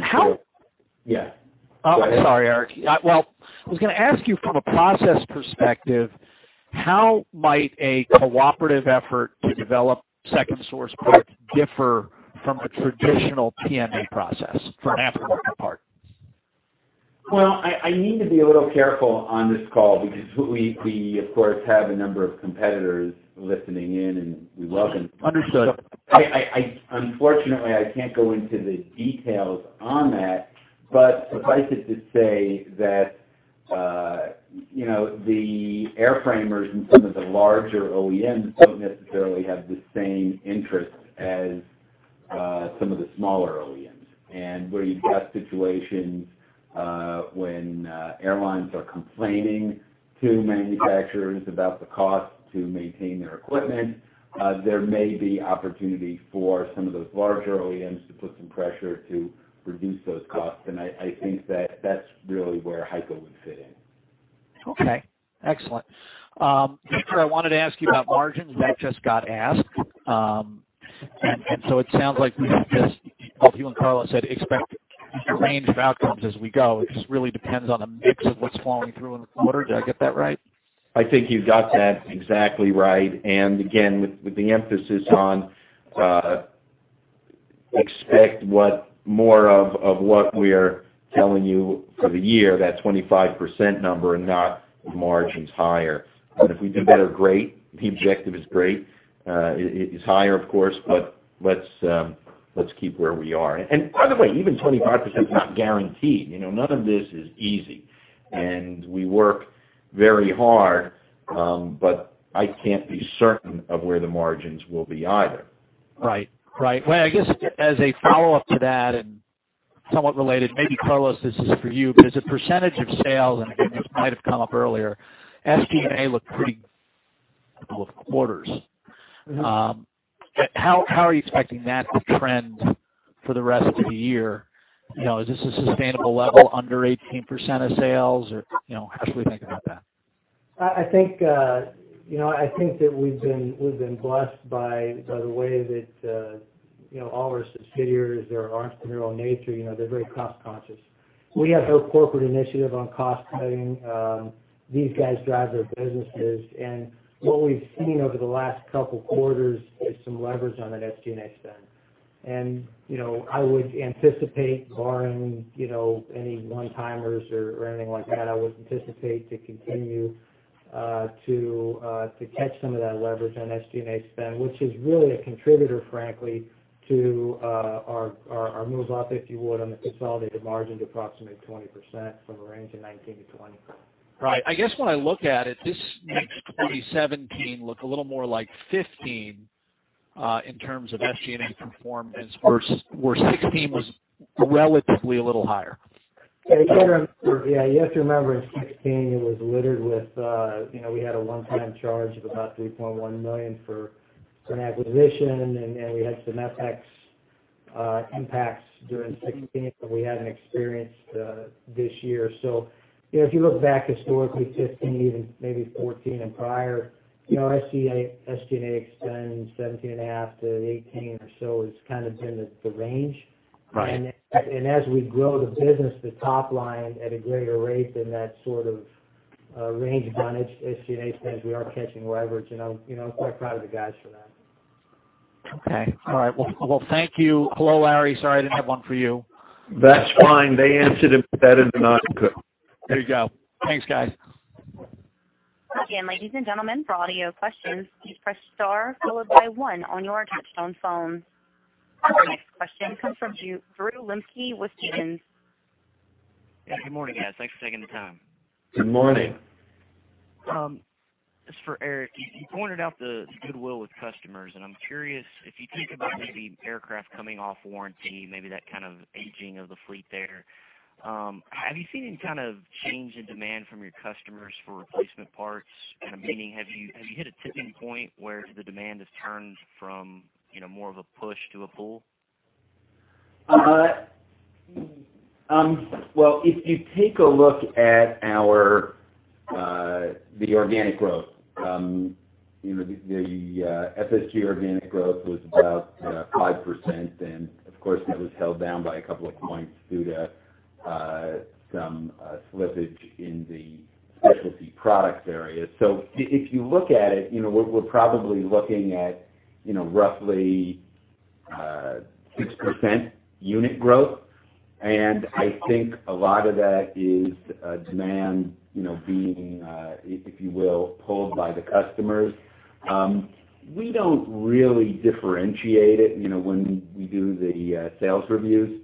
How- Yeah. Go ahead. Oh, I'm sorry, Eric. Well, I was going to ask you from a process perspective, how might a cooperative effort to develop second source parts differ from a traditional PMA process for an aftermarket part? Well, I need to be a little careful on this call because we, of course, have a number of competitors listening in. We love them. Understood. Unfortunately, I can't go into the details on that. Suffice it to say that the airframers and some of the larger OEMs don't necessarily have the same interests as some of the smaller OEMs. Where you've got situations when airlines are complaining to manufacturers about the cost to maintain their equipment, there may be opportunity for some of those larger OEMs to put some pressure to reduce those costs. I think that that's really where HEICO would fit in. Okay. Excellent. Victor, I wanted to ask you about margins. That just got asked. So it sounds like we have just, both you and Carlos said, expect a range of outcomes as we go. It just really depends on the mix of what's flowing through in the quarter. Did I get that right? I think you got that exactly right. Again, with the emphasis on Expect more of what we're telling you for the year, that 25% number, and not margins higher. If we do better, great. The objective is great. It is higher, of course, but let's keep where we are. By the way, even 25% is not guaranteed. None of this is easy, and we work very hard, but I can't be certain of where the margins will be either. Right. Well, I guess as a follow-up to that, and somewhat related, maybe Carlos, this is for you, but as a percentage of sales, and this might have come up earlier, SG&A looked pretty couple of quarters. How are you expecting that to trend for the rest of the year? Is this a sustainable level, under 18% of sales, or how should we think about that? I think that we've been blessed by the way that all our subsidiaries, their entrepreneurial nature, they're very cost conscious. We have no corporate initiative on cost cutting. These guys drive their businesses. What we've seen over the last couple quarters is some leverage on that SG&A spend. I would anticipate barring any one-timers or anything like that, I would anticipate to continue to catch some of that leverage on SG&A spend, which is really a contributor, frankly, to our move up, if you would, on the consolidated margin to approximately 20%, from a range of 19%-20%. Right. I guess when I look at it, this makes 2017 look a little more like 2015, in terms of SG&A performance, where 2016 was relatively a little higher. Yeah. You have to remember, in 2016, it was littered with, we had a one-time charge of about $3.1 million for an acquisition, then we had some FX impacts during 2016 that we haven't experienced this year. If you look back historically, 2015, even maybe 2014 and prior, SG&A extends 17.5%-18% or so, has kind of been the range. Right. As we grow the business, the top line, at a greater rate than that sort of range on SG&A spend, we are catching leverage, and I'm quite proud of the guys for that. Okay. All right. Well, thank you. Hello, Larry. Sorry, I didn't have one for you. That's fine. They answered it better than I could. There you go. Thanks, guys. Again, ladies and gentlemen, for audio questions, please press star followed by one on your touch-tone phones. Our next question comes from Drew Lipke with Stephens. Yeah, good morning, guys. Thanks for taking the time. Good morning. This is for Eric. You pointed out the goodwill with customers, and I'm curious if you think about maybe aircraft coming off warranty, maybe that kind of aging of the fleet there, have you seen any kind of change in demand from your customers for replacement parts? Kind of meaning, have you hit a tipping point where the demand has turned from more of a push to a pull? Well, if you take a look at the organic growth, the FSG organic growth was about 5%, and of course, that was held down by a couple of points due to some slippage in the specialty product area. If you look at it, we're probably looking at roughly 6% unit growth. I think a lot of that is demand being, if you will, pulled by the customers. We don't really differentiate it when we do the sales reviews.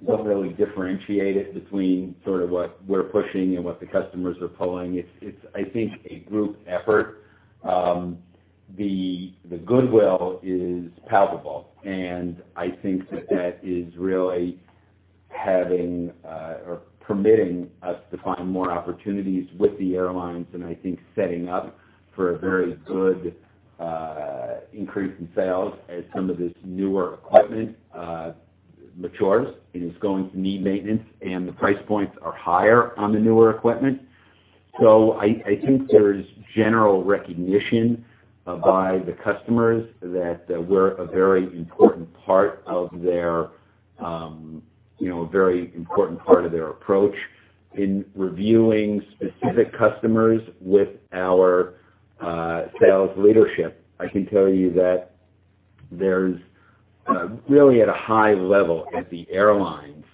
We don't really differentiate it between sort of what we're pushing and what the customers are pulling. It's, I think, a group effort. The goodwill is palpable, and I think that that is really permitting us to find more opportunities with the airlines and I think setting up for a very good increase in sales as some of this newer equipment matures and is going to need maintenance, and the price points are higher on the newer equipment. I think there's general recognition by the customers that we're a very important part of their approach. In reviewing specific customers with our sales leadership, I can tell you that there's really, at a high level at the airlines,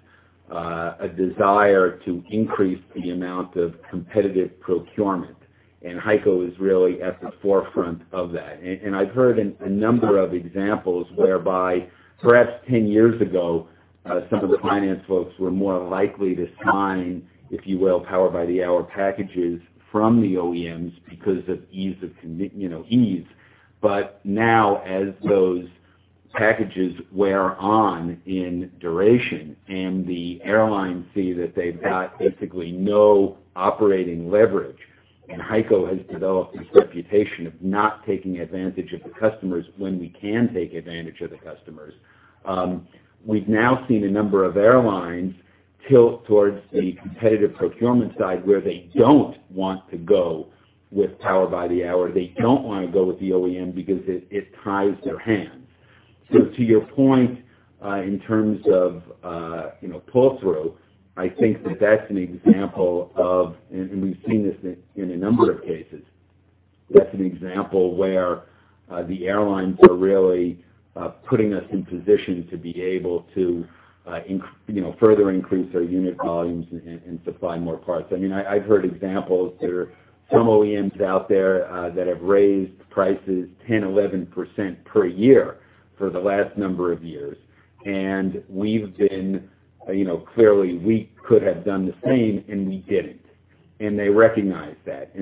a desire to increase the amount of competitive procurement, and HEICO is really at the forefront of that. I've heard a number of examples whereby perhaps 10 years ago, some of the finance folks were more likely to sign, if you will, Power by the Hour packages from the OEMs because of ease. Now, as those packages wear on in duration and the airlines see that they've got basically no operating leverage, and HEICO has developed this reputation of not taking advantage of the customers when we can take advantage of the customers, we've now seen a number of airlines tilt towards the competitive procurement side, where they don't want to go with Power by the Hour. They don't want to go with the OEM because it ties their hands. To your point, in terms of pull-through, I think that that's an example of, and we've seen this in a number of cases. That's an example where the airlines are really putting us in position to be able to further increase our unit volumes and supply more parts. I've heard examples. There are some OEMs out there that have raised prices 10%, 11% per year for the last number of years. Clearly, we could have done the same, and we didn't. They recognize that.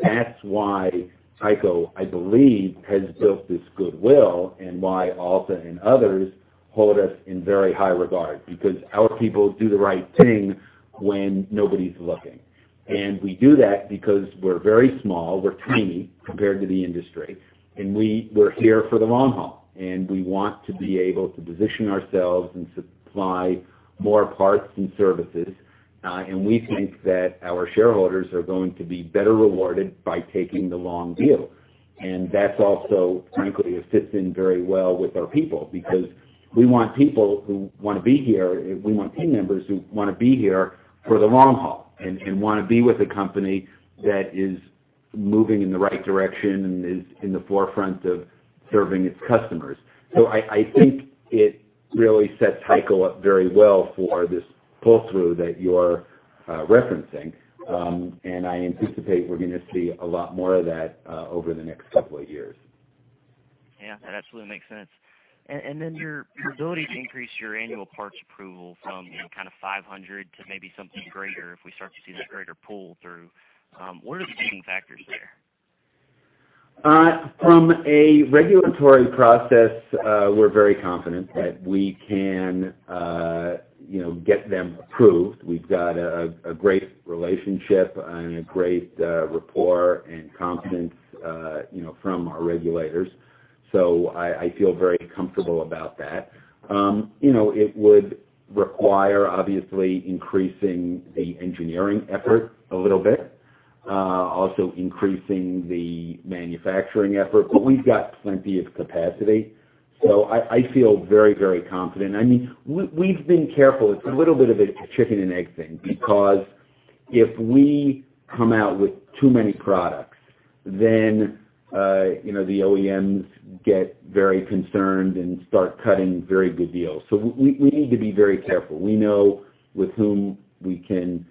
That's why HEICO, I believe, has built this goodwill, and why ALTA and others hold us in very high regard, because our people do the right thing when nobody's looking. We do that because we're very small, we're tiny compared to the industry, and we're here for the long haul, and we want to be able to position ourselves and supply more parts and services. We think that our shareholders are going to be better rewarded by taking the long view. That also, frankly, fits in very well with our people, because we want people who want to be here, we want team members who want to be here for the long haul, and want to be with a company that is moving in the right direction and is in the forefront of serving its customers. I think it really sets HEICO up very well for this pull-through that you're referencing. I anticipate we're going to see a lot more of that over the next couple of years. Yeah, that absolutely makes sense. Then your ability to increase your annual parts approval from 500 to maybe something greater if we start to see that greater pull-through, what are the limiting factors there? From a regulatory process, we're very confident that we can get them approved. We've got a great relationship and a great rapport and confidence from our regulators. I feel very comfortable about that. It would require, obviously, increasing the engineering effort a little bit, also increasing the manufacturing effort, but we've got plenty of capacity, so I feel very confident. We've been careful. It's a little bit of a chicken and egg thing, because if we come out with too many products, then the OEMs get very concerned and start cutting very good deals, so we need to be very careful. We know with whom we can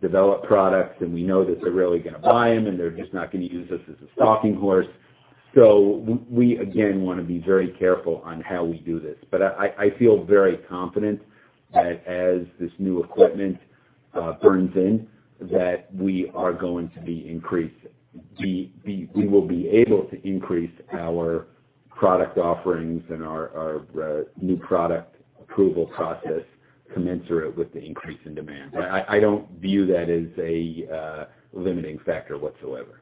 develop products, and we know that they're really going to buy them, and they're just not going to use us as a stalking horse. We, again, want to be very careful on how we do this, but I feel very confident that as this new equipment burns in, that we will be able to increase our product offerings and our new product approval process commensurate with the increase in demand. I don't view that as a limiting factor whatsoever. Okay.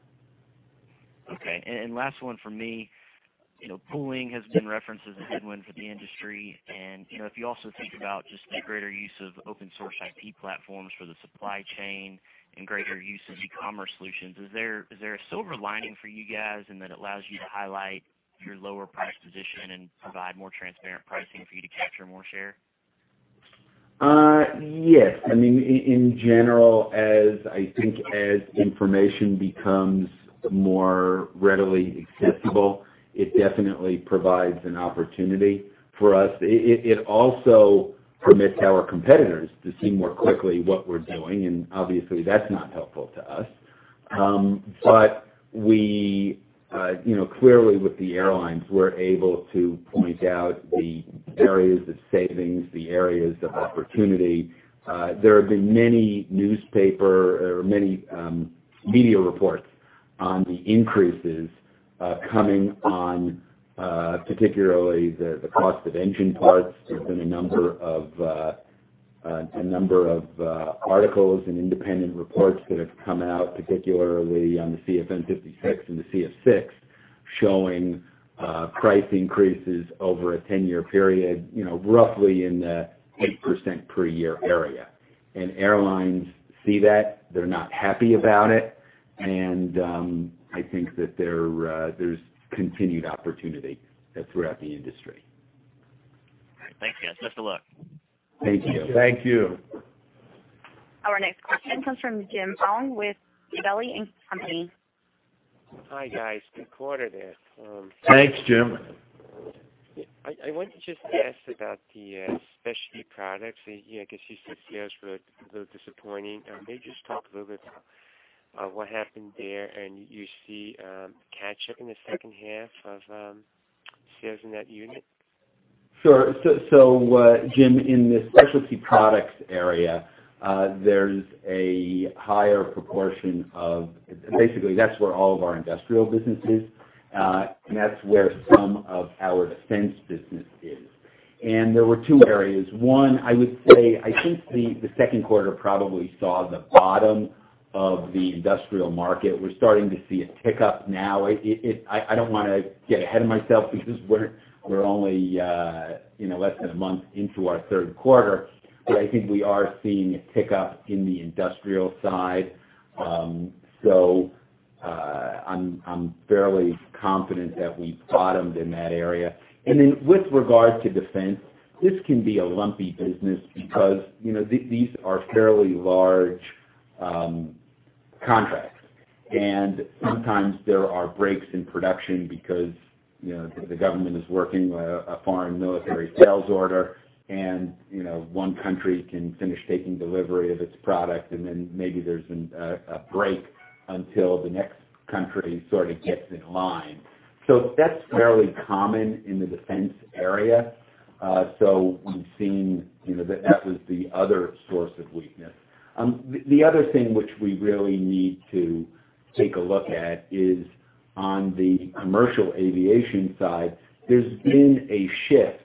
Last one from me. Pooling has been referenced as a headwind for the industry, and if you also think about just the greater use of open source IP platforms for the supply chain and greater use of e-commerce solutions, is there a silver lining for you guys in that it allows you to highlight your lower price position and provide more transparent pricing for you to capture more share? Yes. In general, I think as information becomes more readily accessible, it definitely provides an opportunity for us. It also permits our competitors to see more quickly what we're doing, and obviously, that's not helpful to us. Clearly, with the airlines, we're able to point out the areas of savings, the areas of opportunity. There have been many media reports on the increases coming on, particularly the cost of engine parts. There's been a number of articles and independent reports that have come out, particularly on the CFM56 and the CF6, showing price increases over a 10-year period, roughly in the 8% per year area. Airlines see that. They're not happy about it. I think that there's continued opportunity throughout the industry. All right, thanks guys. Best of luck. Thank you. Thank you. Our next question comes from James Foung with Gabelli & Company. Hi, guys. Good quarter there. Thanks, Jim. I want to just ask about the specialty products. I guess you said sales were a little disappointing. Maybe just talk a little bit about what happened there, and you see catch-up in the second half of sales in that unit? Sure. Jim, in the specialty products area, there's a higher proportion of basically, that's where all of our industrial business is, and that's where some of our defense business is. There were two areas. One, I would say, I think the second quarter probably saw the bottom of the industrial market. We're starting to see a tick-up now. I don't want to get ahead of myself because we're only less than a month into our third quarter, but I think we are seeing a tick-up in the industrial side. I'm fairly confident that we've bottomed in that area. With regard to defense, this can be a lumpy business because these are fairly large contracts, and sometimes there are breaks in production because the government is working with a foreign military sales order, and one country can finish taking delivery of its product, then maybe there's a break until the next country sort of gets in line. That's fairly common in the defense area. We've seen that was the other source of weakness. The other thing which we really need to take a look at is on the commercial aviation side, there's been a shift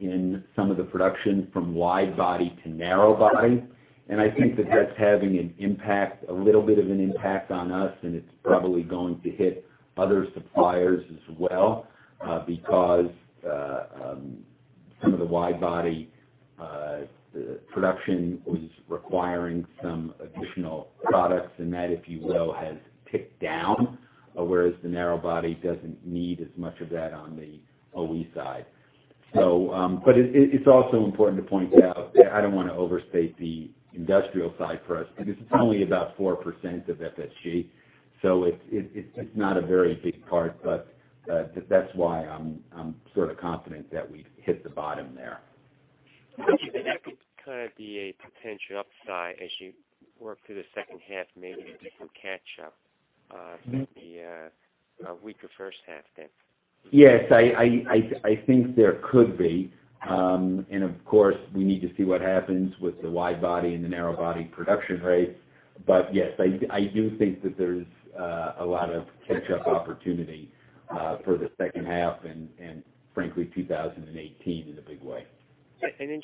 in some of the production from wide body to narrow body, and I think that that's having a little bit of an impact on us, and it's probably going to hit other suppliers as well, because some of the wide body production was requiring some additional products, and that, if you will, has ticked down, whereas the narrow body doesn't need as much of that on the OE side. It's also important to point out that I don't want to overstate the industrial side for us, because it's only about 4% of FSG. It's not a very big part, but that's why I'm sort of confident that we've hit the bottom there. That could kind of be a potential upside as you work through the second half, maybe it can catch up with the weaker first half then. Yes, I think there could be. Of course, we need to see what happens with the wide body and the narrow body production rates. Yes, I do think that there's a lot of catch-up opportunity for the second half and frankly, 2018 in a big way.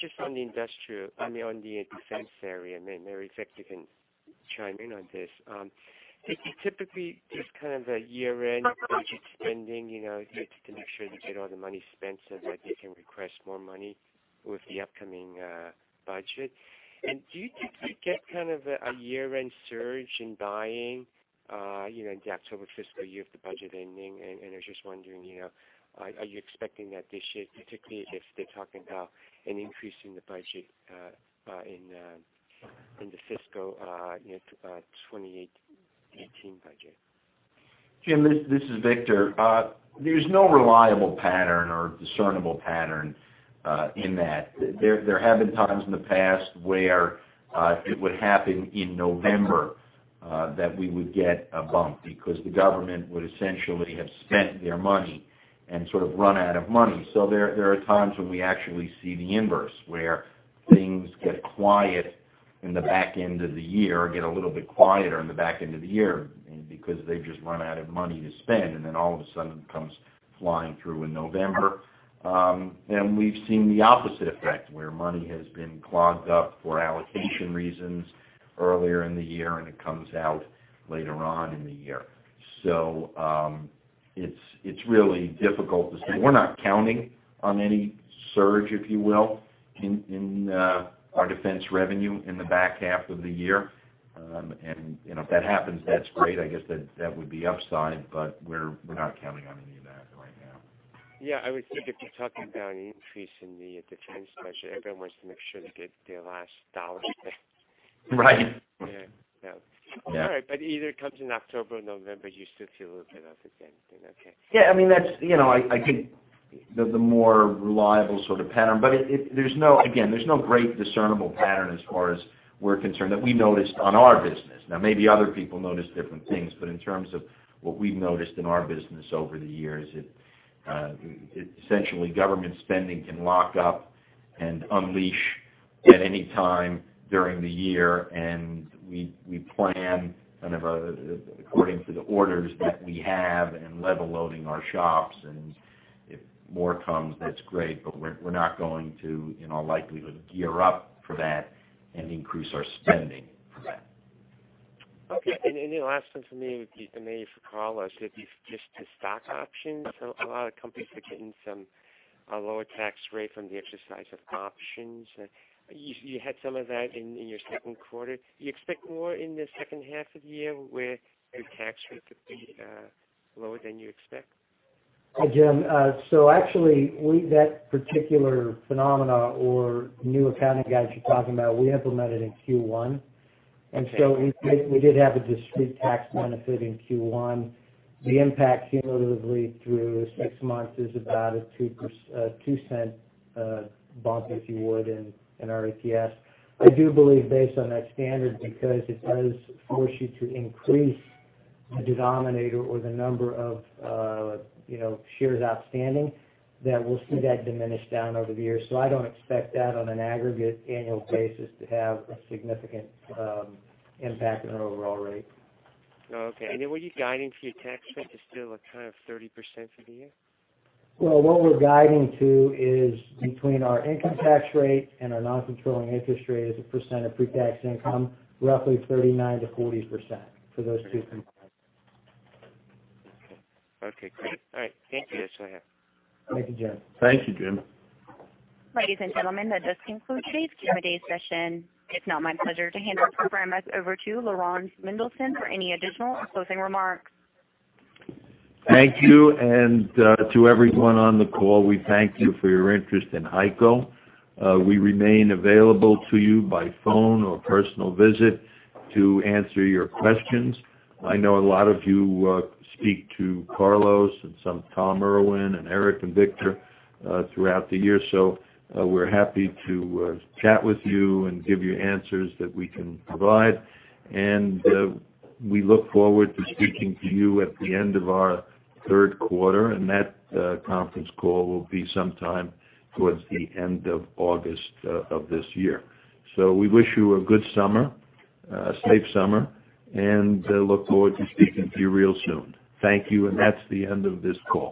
Just on the industrial, on the defense area, maybe Victor can chime in on this. Is it typically just kind of a year-end budget spending to make sure they get all the money spent so that they can request more money with the upcoming budget? Do you think you get kind of a year-end surge in buying in the October fiscal year of the budget ending? I was just wondering, are you expecting that this year, particularly if they're talking about an increase in the budget in the fiscal 2018 budget? Jim, this is Victor. There's no reliable pattern or discernible pattern in that. There have been times in the past where it would happen in November that we would get a bump because the government would essentially have spent their money and sort of run out of money. There are times when we actually see the inverse, where things get quiet in the back end of the year because they've just run out of money to spend, and then all of a sudden it comes flying through in November. We've seen the opposite effect where money has been clogged up for allocation reasons earlier in the year, and it comes out later on in the year. It's really difficult to say. We're not counting on any surge, if you will, in our defense revenue in the back half of the year. If that happens, that's great. I guess that would be upside, but we're not counting on any of that right now. Yeah, I would think if you're talking about an increase in the defense budget, everyone wants to make sure they get their last dollar spent. Right. Yeah. Yeah. Right, either it comes in October or November, you still feel a little bit of the same thing. Okay. Yeah. I think the more reliable sort of pattern. Again, there's no great discernible pattern as far as we're concerned, that we noticed on our business. Maybe other people notice different things, but in terms of what we've noticed in our business over the years, essentially government spending can lock up and unleash at any time during the year, we plan kind of according to the orders that we have and level loading our shops. If more comes, that's great, but we're not going to, in all likelihood, gear up for that and increase our spending for that. Okay. Last one from me, maybe for Carlos, just the stock options. A lot of companies are getting some lower tax rate from the exercise of options. You had some of that in your second quarter. Do you expect more in the second half of the year where your tax rate could be lower than you expect? Jim, actually, that particular phenomena or new accounting guides you're talking about, we implemented in Q1. Okay. We did have a discrete tax benefit in Q1. The impact cumulatively through 6 months is about a $0.02 bump, if you would, in our EPS. I do believe based on that standard, because it does force you to increase the denominator or the number of shares outstanding, that we will see that diminish down over the year. I don't expect that on an aggregate annual basis to have a significant impact on our overall rate. Oh, okay. Were you guiding for your tax rate to still a kind of 30% for the year? What we're guiding to is between our income tax rate and our non-controlling interest rate as a percent of pre-tax income, roughly 39%-40% for those two combined. Okay, great. All right. Thank you. Yes, I am. Thank you, Jim. Thank you, Jim. Ladies and gentlemen, that does conclude today's Q&A session. It is now my pleasure to hand our program back over to Laurans Mendelson for any additional closing remarks. Thank you. To everyone on the call, we thank you for your interest in HEICO. We remain available to you by phone or personal visit to answer your questions. I know a lot of you speak to Carlos and some Thomas Irwin and Eric and Victor throughout the year, so we are happy to chat with you and give you answers that we can provide. We look forward to speaking to you at the end of our third quarter, and that conference call will be sometime towards the end of August of this year. We wish you a good summer, a safe summer, and look forward to speaking to you real soon. Thank you. That's the end of this call.